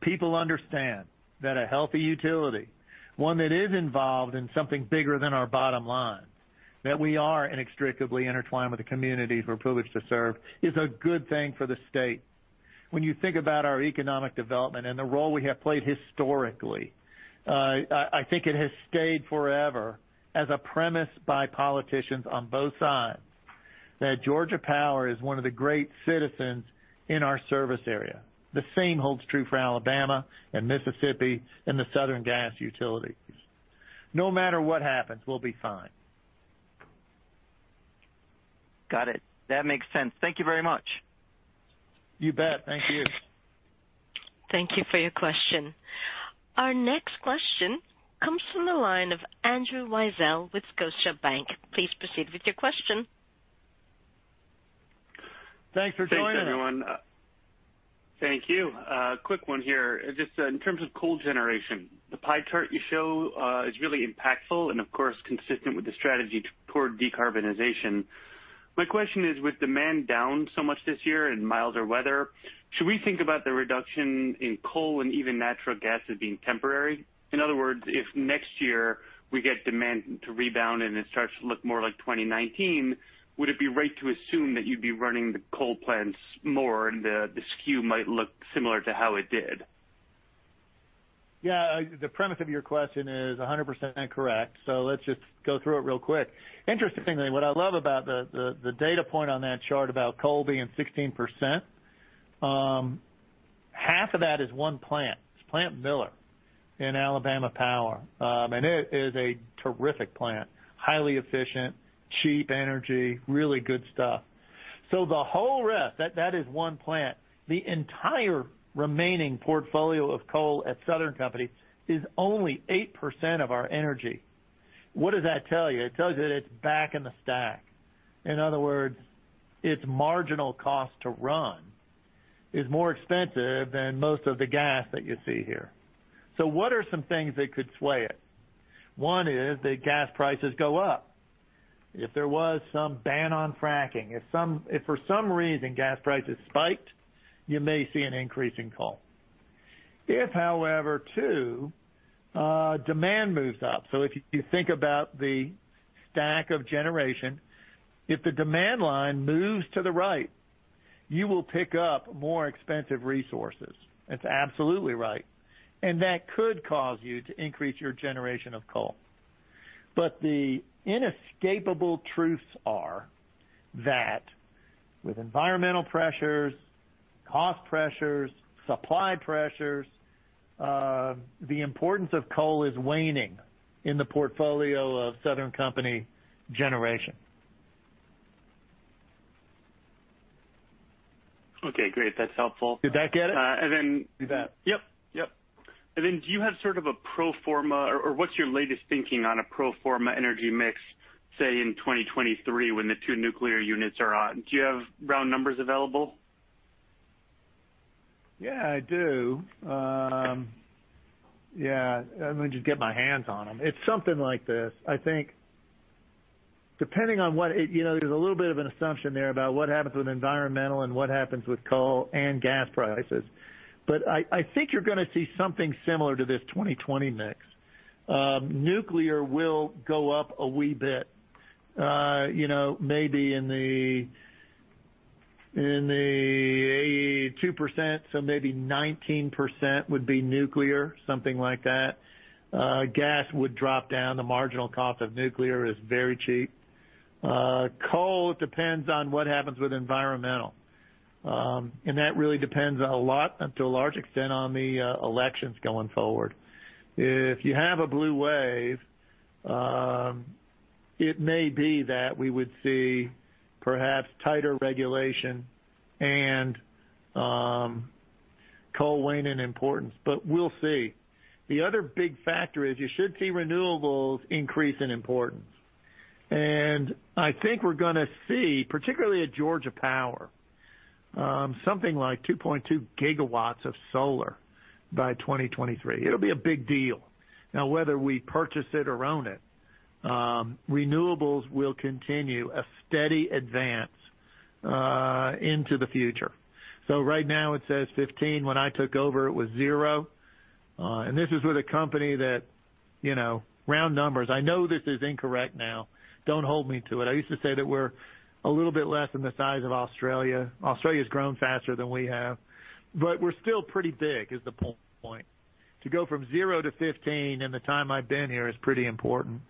C: people understand that a healthy utility, one that is involved in something bigger than our bottom line, that we are inextricably intertwined with the communities we're privileged to serve, is a good thing for the state. When you think about our economic development and the role we have played historically, I think it has stayed forever as a premise by politicians on both sides that Georgia Power is one of the great citizens in our service area. The same holds true for Alabama and Mississippi and the Southern Gas utilities. No matter what happens, we'll be fine.
J: Got it. That makes sense. Thank you very much.
C: You bet. Thank you.
A: Thank you for your question. Our next question comes from the line of Andrew Weisel with Scotiabank. Please proceed with your question.
C: Thanks for joining us.
K: Thanks, everyone. Thank you. A quick one here. Just in terms of coal generation, the pie chart you show is really impactful and of course, consistent with the strategy toward decarbonization. My question is, with demand down so much this year and milder weather, should we think about the reduction in coal and even natural gas as being temporary? In other words, if next year we get demand to rebound and it starts to look more like 2019, would it be right to assume that you'd be running the coal plants more and the skew might look similar to how it did?
C: Yeah. The premise of your question is 100% correct. Let's just go through it real quick. Interestingly, what I love about the data point on that chart about coal being 16%, half of that is one plant. It's Plant Miller in Alabama Power. It is a terrific plant, highly efficient, cheap energy, really good stuff. The whole rest, that is one plant. The entire remaining portfolio of coal at Southern Company is only 8% of our energy. What does that tell you? It tells you that it's back in the stack. In other words, its marginal cost to run is more expensive than most of the gas that you see here. What are some things that could sway it? One is that gas prices go up. If there was some ban on fracking, if for some reason gas prices spiked, you may see an increase in coal. If, however, two, demand moves up. If you think about the stack of generation, if the demand line moves to the right, you will pick up more expensive resources. That's absolutely right. That could cause you to increase your generation of coal. The inescapable truths are that with environmental pressures, cost pressures, supply pressures, the importance of coal is waning in the portfolio of Southern Company generation.
K: Okay, great. That's helpful.
C: Did that get it?
K: And then.
C: You bet.
K: Yep. Do you have sort of a pro forma or what's your latest thinking on a pro forma energy mix, say, in 2023 when the two nuclear units are on? Do you have round numbers available?
C: Yeah, I do. Yeah. Let me just get my hands on them. It's something like this. I think there's a little bit of an assumption there about what happens with environmental and what happens with coal and gas prices. I think you're going to see something similar to this 2020 mix. Nuclear will go up a wee bit. Maybe in the [2%], so maybe 19% would be nuclear, something like that. Gas would drop down. The marginal cost of nuclear is very cheap. Coal, it depends on what happens with environmental. That really depends to a large extent on the elections going forward. If you have a blue wave, it may be that we would see perhaps tighter regulation and coal wane in importance, but we'll see. The other big factor is you should see renewables increase in importance. I think we're going to see, particularly at Georgia Power, something like 2.2 GW of solar by 2023. It'll be a big deal. Whether we purchase it or own it, renewables will continue a steady advance into the future. Right now it says 15%. When I took over, it was zero. This is with a company that, round numbers, I know this is incorrect now, don't hold me to it. I used to say that we're a little bit less than the size of Australia. Australia's grown faster than we have, we're still pretty big, is the point. To go from zero to 15% in the time I've been here is pretty important,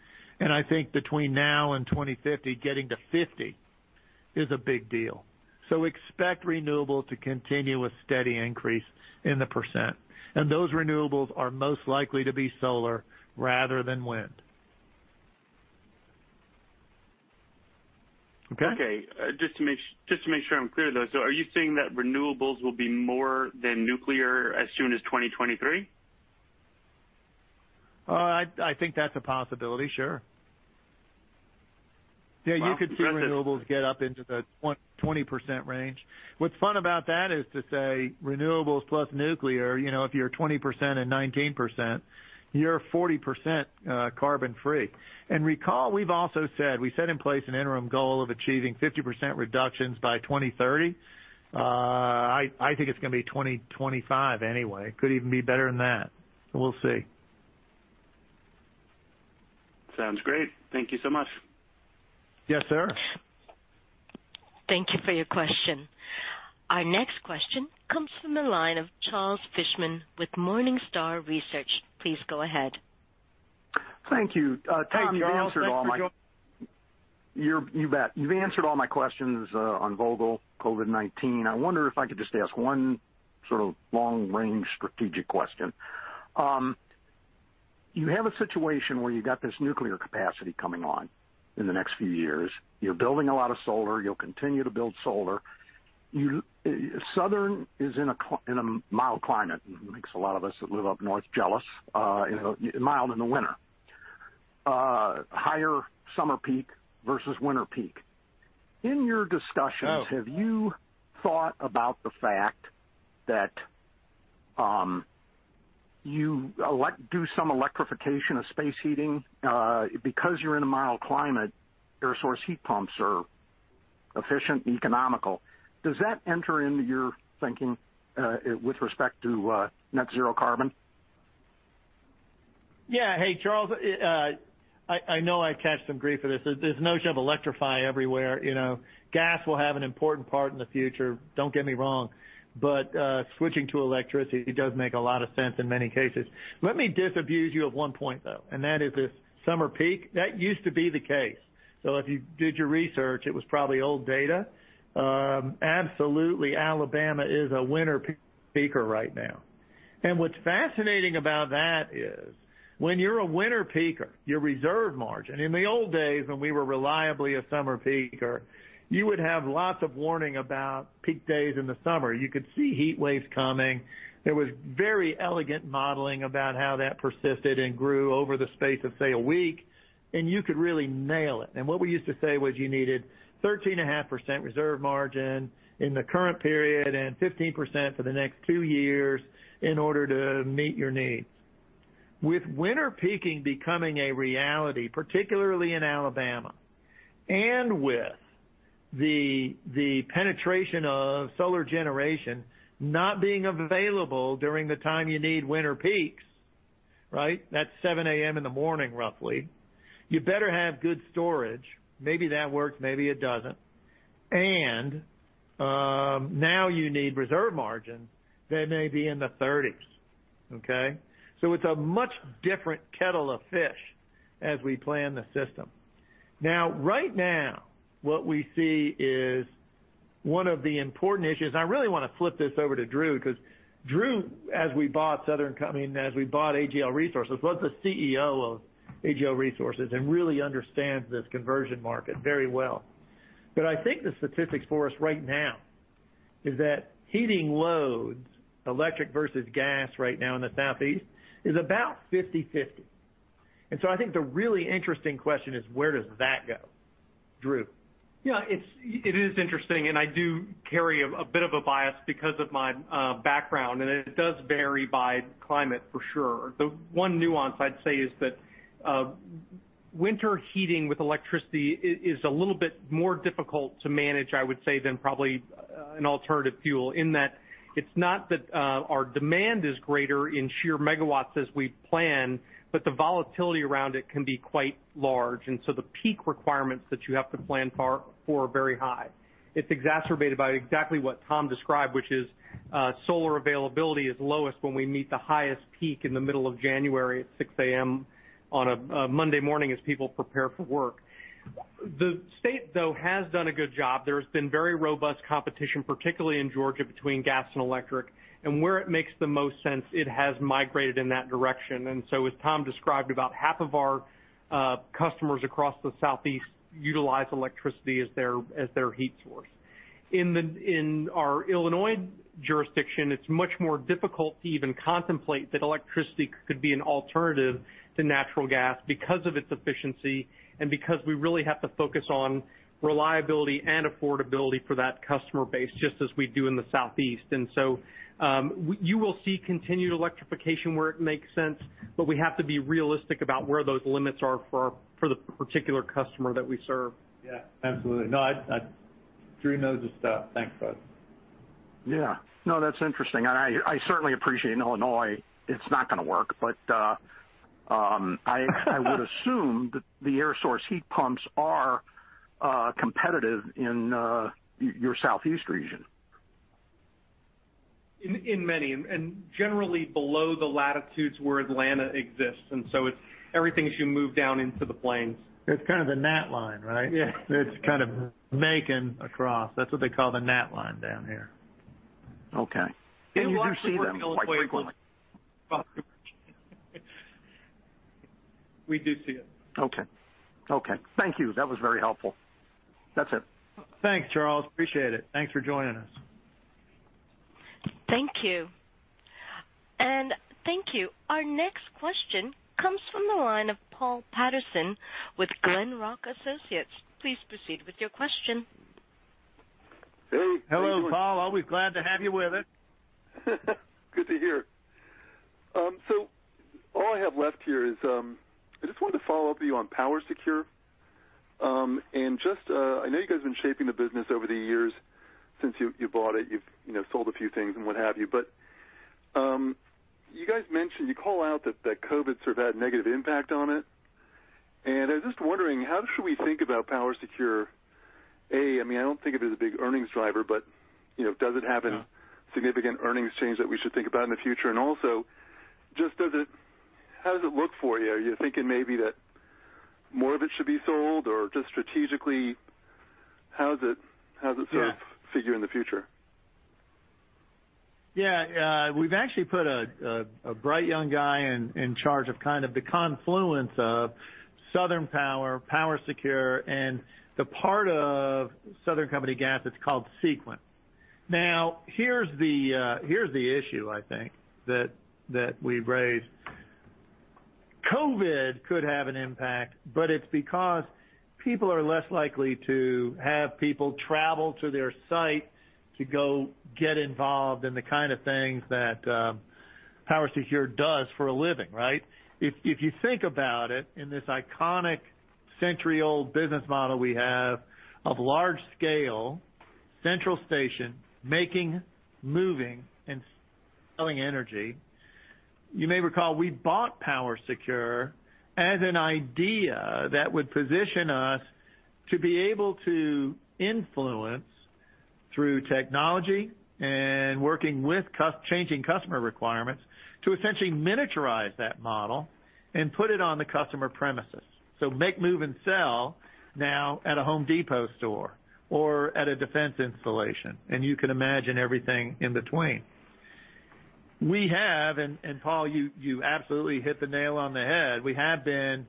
C: I think between now and 2050, getting to 50% is a big deal. Expect renewables to continue a steady increase in the percent, and those renewables are most likely to be solar rather than wind. Okay?
K: Okay. Just to make sure I'm clear, though. Are you saying that renewables will be more than nuclear as soon as 2023?
C: I think that's a possibility, sure. Yeah, you could see renewables get up into the 20% range. What's fun about that is to say renewables plus nuclear, if you're 20% and 19%, you're 40% carbon free. Recall, we've also said we set in place an interim goal of achieving 50% reductions by 2030. I think it's going to be 2025 anyway. It could even be better than that. We'll see.
K: Sounds great. Thank you so much.
C: Yes, sir.
A: Thank you for your question. Our next question comes from the line of Charles Fishman with Morningstar Research. Please go ahead.
L: Thank you. Tom, you answered all my.
C: Hey, Charles. Thanks for joining.
L: You bet. You've answered all my questions on Vogtle, COVID-19. I wonder if I could just ask one sort of long-range strategic question. You have a situation where you've got this nuclear capacity coming on in the next few years. You're building a lot of solar. You'll continue to build solar. Southern is in a mild climate, makes a lot of us that live up north jealous. Mild in the winter. Higher summer peak versus winter peak. In your discussions.
C: Oh.
L: Have you thought about the fact that you do some electrification of space heating? Because you're in a mild climate, air source heat pumps are efficient and economical. Does that enter into your thinking with respect to net zero carbon?
C: Hey, Charles. I know I catch some grief for this. This notion of electrify everywhere. Gas will have an important part in the future, don't get me wrong, but switching to electricity does make a lot of sense in many cases. Let me disabuse you of one point, though, and that is this summer peak. That used to be the case. If you did your research, it was probably old data. Absolutely, Alabama is a winter peaker right now. What's fascinating about that is when you're a winter peaker, your reserve margin, in the old days when we were reliably a summer peaker, you would have lots of warning about peak days in the summer. You could see heat waves coming. There was very elegant modeling about how that persisted and grew over the space of, say, a week, and you could really nail it. What we used to say was you needed 13.5% reserve margin in the current period and 15% for the next two years in order to meet your needs. With winter peaking becoming a reality, particularly in Alabama, and with the penetration of solar generation not being available during the time you need winter peaks, right? That's 7:00 A.M. in the morning, roughly. You better have good storage. Maybe that works, maybe it doesn't. Now you need reserve margins that may be in the 30s. Okay? It's a much different kettle of fish as we plan the system. Right now, what we see is one of the important issues, and I really want to flip this over to Drew, because Drew, as we bought AGL Resources, was the CEO of AGL Resources and really understands this conversion market very well. I think the statistics for us right now is that heating loads, electric versus gas right now in the Southeast, is about 50/50. I think the really interesting question is: Where does that go? Drew?
D: Yeah, it is interesting, and I do carry a bit of a bias because of my background, and it does vary by climate, for sure. The one nuance I'd say is that, Winter heating with electricity is a little bit more difficult to manage, I would say, than probably an alternative fuel, in that it's not that our demand is greater in sheer megawatts as we plan, but the volatility around it can be quite large. The peak requirements that you have to plan for are very high. It's exacerbated by exactly what Tom described, which is solar availability is lowest when we meet the highest peak in the middle of January at 6:00 A.M. on a Monday morning as people prepare for work. The state, though, has done a good job. There has been very robust competition, particularly in Georgia, between gas and electric. Where it makes the most sense, it has migrated in that direction. As Tom described, about half of our customers across the Southeast utilize electricity as their heat source. In our Illinois jurisdiction, it's much more difficult to even contemplate that electricity could be an alternative to natural gas because of its efficiency and because we really have to focus on reliability and affordability for that customer base, just as we do in the Southeast. You will see continued electrification where it makes sense, but we have to be realistic about where those limits are for the particular customer that we serve.
C: Yeah, absolutely. I know Drew knows this stuff. Thanks, Charles.
L: Yeah. No, that's interesting. I certainly appreciate in Illinois it's not going to work. I would assume that the air source heat pumps are competitive in your Southeast region.
D: In many, generally below the latitudes where Atlanta exists. Everything as you move down into the plains.
C: It's kind of the gnat line, right?
D: Yeah.
C: It's kind of Macon across. That's what they call the gnat line down here.
L: Okay. You do see them quite frequently.
C: We do see it.
L: Okay. Thank you. That was very helpful. That's it.
C: Thanks, Charles. Appreciate it. Thanks for joining us.
A: Thank you. Thank you. Our next question comes from the line of Paul Patterson with Glenrock Associates. Please proceed with your question.
C: Hello, Paul. Always glad to have you with us.
M: Good to hear. All I have left here is, I just wanted to follow up with you on PowerSecure. I know you guys have been shaping the business over the years since you bought it. You've sold a few things and what have you. You guys call out that COVID sort of had a negative impact on it, and I was just wondering, how should we think about PowerSecure? A, I don't think of it as a big earnings driver, but does it have.
C: No.
M: A significant earnings change that we should think about in the future? Also, how does it look for you? Are you thinking maybe that more of it should be sold? Just strategically, how does it.
C: Yeah.
M: Sort of figure in the future?
C: Yeah. We've actually put a bright young guy in charge of kind of the confluence of Southern Power, PowerSecure, and the part of Southern Company Gas that's called Sequent. Now, here's the issue, I think, that we've raised. COVID could have an impact, but it's because people are less likely to have people travel to their site to go get involved in the kind of things that PowerSecure does for a living, right? If you think about it, in this iconic century-old business model we have of large-scale central station making, moving, and selling energy, you may recall we bought PowerSecure as an idea that would position us to be able to influence, through technology and working with changing customer requirements, to essentially miniaturize that model and put it on the customer premises. Make, move, and sell now at a Home Depot store or at a defense installation, and you can imagine everything in between. We have, Paul, you absolutely hit the nail on the head, we have been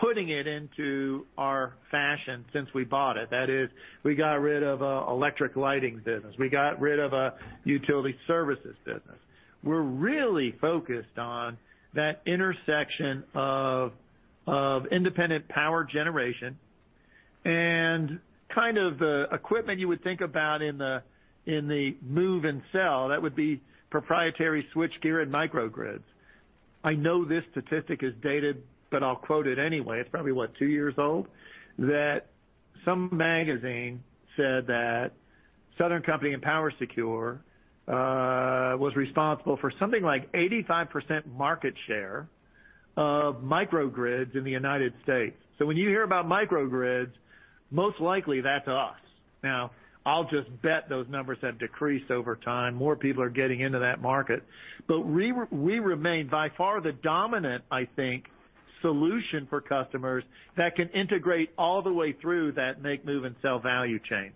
C: putting it into our fashion since we bought it. That is, we got rid of a electric lighting business. We got rid of a utility services business. We're really focused on that intersection of independent power generation and kind of equipment you would think about in the move and sell. That would be proprietary switchgear and microgrids. I know this statistic is dated, I'll quote it anyway. It's probably, what, two years old? That some magazine said that Southern Company and PowerSecure was responsible for something like 85% market share of microgrids in the United States. When you hear about microgrids, most likely that's us. I'll just bet those numbers have decreased over time. More people are getting into that market. We remain by far the dominant, I think, solution for customers that can integrate all the way through that make, move, and sell value chain.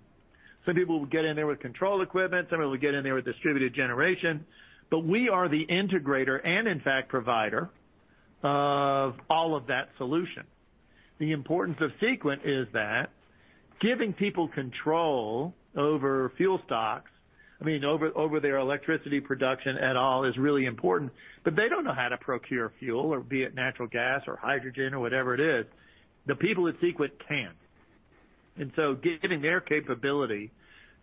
C: Some people will get in there with control equipment, some people will get in there with distributed generation, but we are the integrator and, in fact, provider of all of that solution. The importance of Sequent is that giving people control over fuel stocks, I mean, over their electricity production and all is really important. They don't know how to procure fuel or be it natural gas or hydrogen or whatever it is. The people at Sequent can. Giving their capability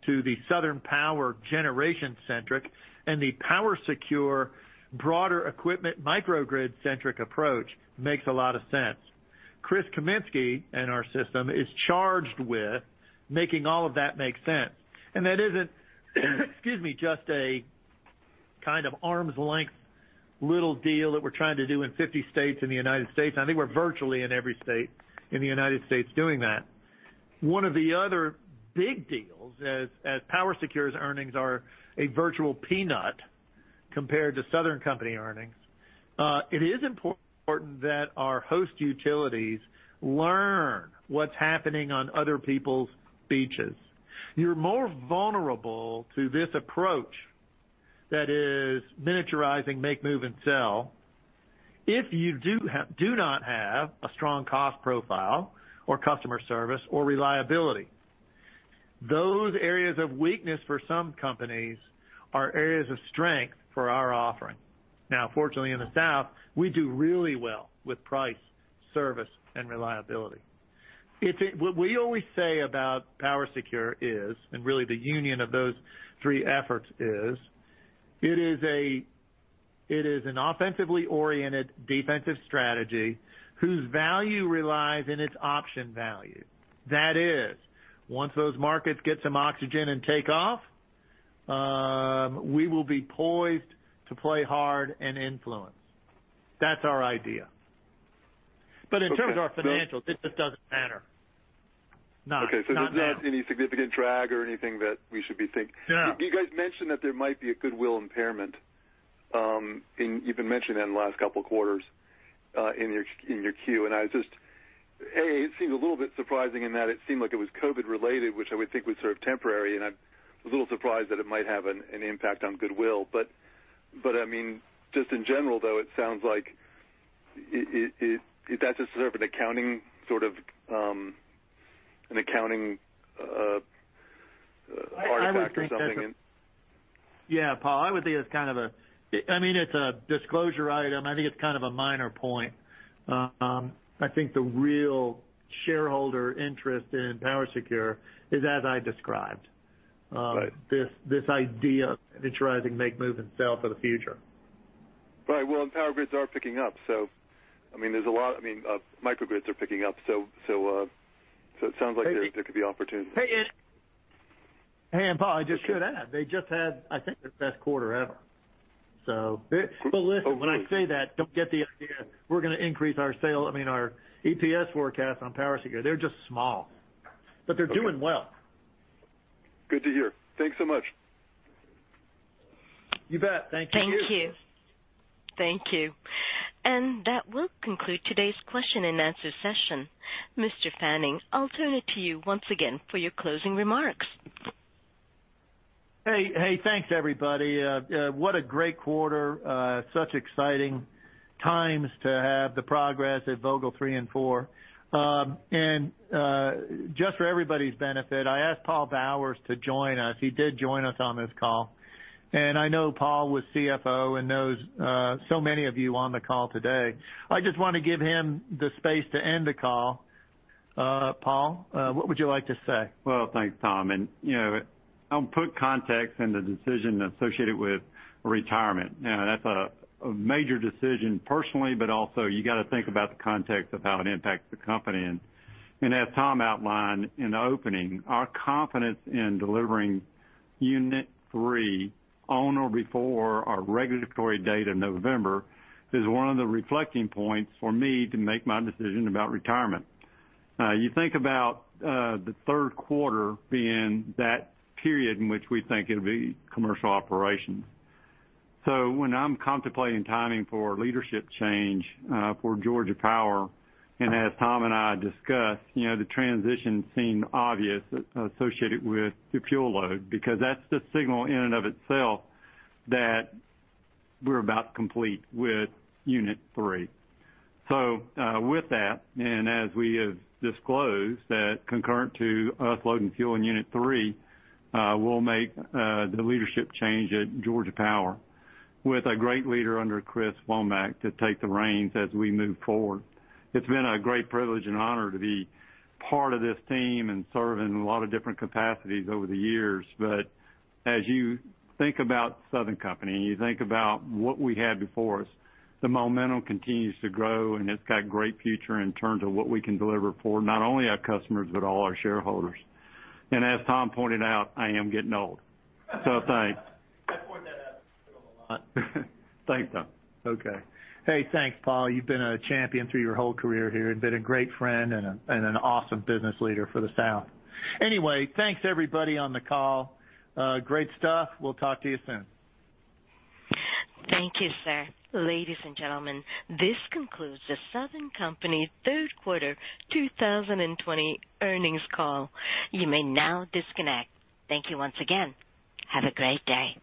C: to the Southern Power generation-centric and the PowerSecure broader equipment microgrid-centric approach makes a lot of sense. Chris Cummiskey, in our system, is charged with making all of that make sense. That isn't, excuse me, just a kind of arm's length little deal that we're trying to do in 50 states in the United States. I think we're virtually in every state in the United States doing that. One of the other big deals as PowerSecure's earnings are a virtual peanut compared to Southern Company earnings, it is important that our host utilities learn what's happening on other people's beaches. You're more vulnerable to this approach that is miniaturizing make, move, and sell. If you do not have a strong cost profile or customer service or reliability, those areas of weakness for some companies are areas of strength for our offering. Fortunately, in the South, we do really well with price, service, and reliability. What we always say about PowerSecure is, and really the union of those three efforts is, it is an offensively oriented defensive strategy whose value relies on its option value. That is, once those markets get some oxygen and take off, we will be poised to play hard and influence. That's our idea. In terms of our financials, it just doesn't matter. Not now.
M: There's not any significant drag or anything that we should be thinking.
C: No.
M: You guys mentioned that there might be a goodwill impairment. You've been mentioning that in the last couple of quarters in your 10-Qs. I was just, it seemed a little bit surprising in that it seemed like it was COVID-related, which I would think was sort of temporary, and I'm a little surprised that it might have an impact on goodwill. Just in general though, it sounds like that's just sort of an accounting artifact or something.
C: Yeah, Paul, it's a disclosure item. I think it's kind of a minor point. I think the real shareholder interest in PowerSecure is as I described.
M: Right.
C: This idea of miniaturizing make, move, and sell for the future.
M: Right. Well, power grids are picking up. There's microgrids are picking up. It sounds like there could be opportunities.
C: Hey, Paul, I just could add, they just had, I think, their best quarter ever. Listen, when I say that, don't get the idea we're going to increase I mean, our EPS forecast on PowerSecure. They're just small, but they're doing well.
M: Good to hear. Thanks so much.
C: You bet. Thank you.
A: Thank you. That will conclude today's question and answer session. Mr. Fanning, I will turn it to you once again for your closing remarks.
C: Hey. Thanks, everybody. What a great quarter. Such exciting times to have the progress at Vogtle 3 and Vogtle 4. Just for everybody's benefit, I asked Paul Bowers to join us. He did join us on this call, and I know Paul was CFO and knows so many of you on the call today. I just want to give him the space to end the call. Paul, what would you like to say?
N: Well, thanks, Tom, and I'll put context in the decision associated with retirement. Now, that's a major decision personally, but also you got to think about the context of how it impacts the company. As Tom outlined in the opening, our confidence in delivering Unit 3 on or before our regulatory date of November is one of the reflecting points for me to make my decision about retirement. You think about the third quarter being that period in which we think it'll be commercial operations. When I'm contemplating timing for leadership change for Georgia Power, and as Tom and I discussed, the transition seemed obvious associated with the fuel load because that's the signal in and of itself that we're about complete with Unit 3. With that, and as we have disclosed that concurrent to us loading fuel in Unit 3, we'll make the leadership change at Georgia Power with a great leader under Chris Womack to take the reins as we move forward. It's been a great privilege and honor to be part of this team and serve in a lot of different capacities over the years. As you think about Southern Company and you think about what we have before us, the momentum continues to grow, and it's got a great future in terms of what we can deliver for not only our customers but all our shareholders. As Tom pointed out, I am getting old. Thanks.
C: I point that out a lot.
N: Thanks, Tom. Okay.
C: Hey, thanks, Paul. You've been a champion through your whole career here and been a great friend and an awesome business leader for the South. Thanks everybody on the call. Great stuff. We'll talk to you soon.
A: Thank you, sir. Ladies and gentlemen, this concludes the Southern Company third quarter 2020 earnings call. You may now disconnect. Thank you once again. Have a great day.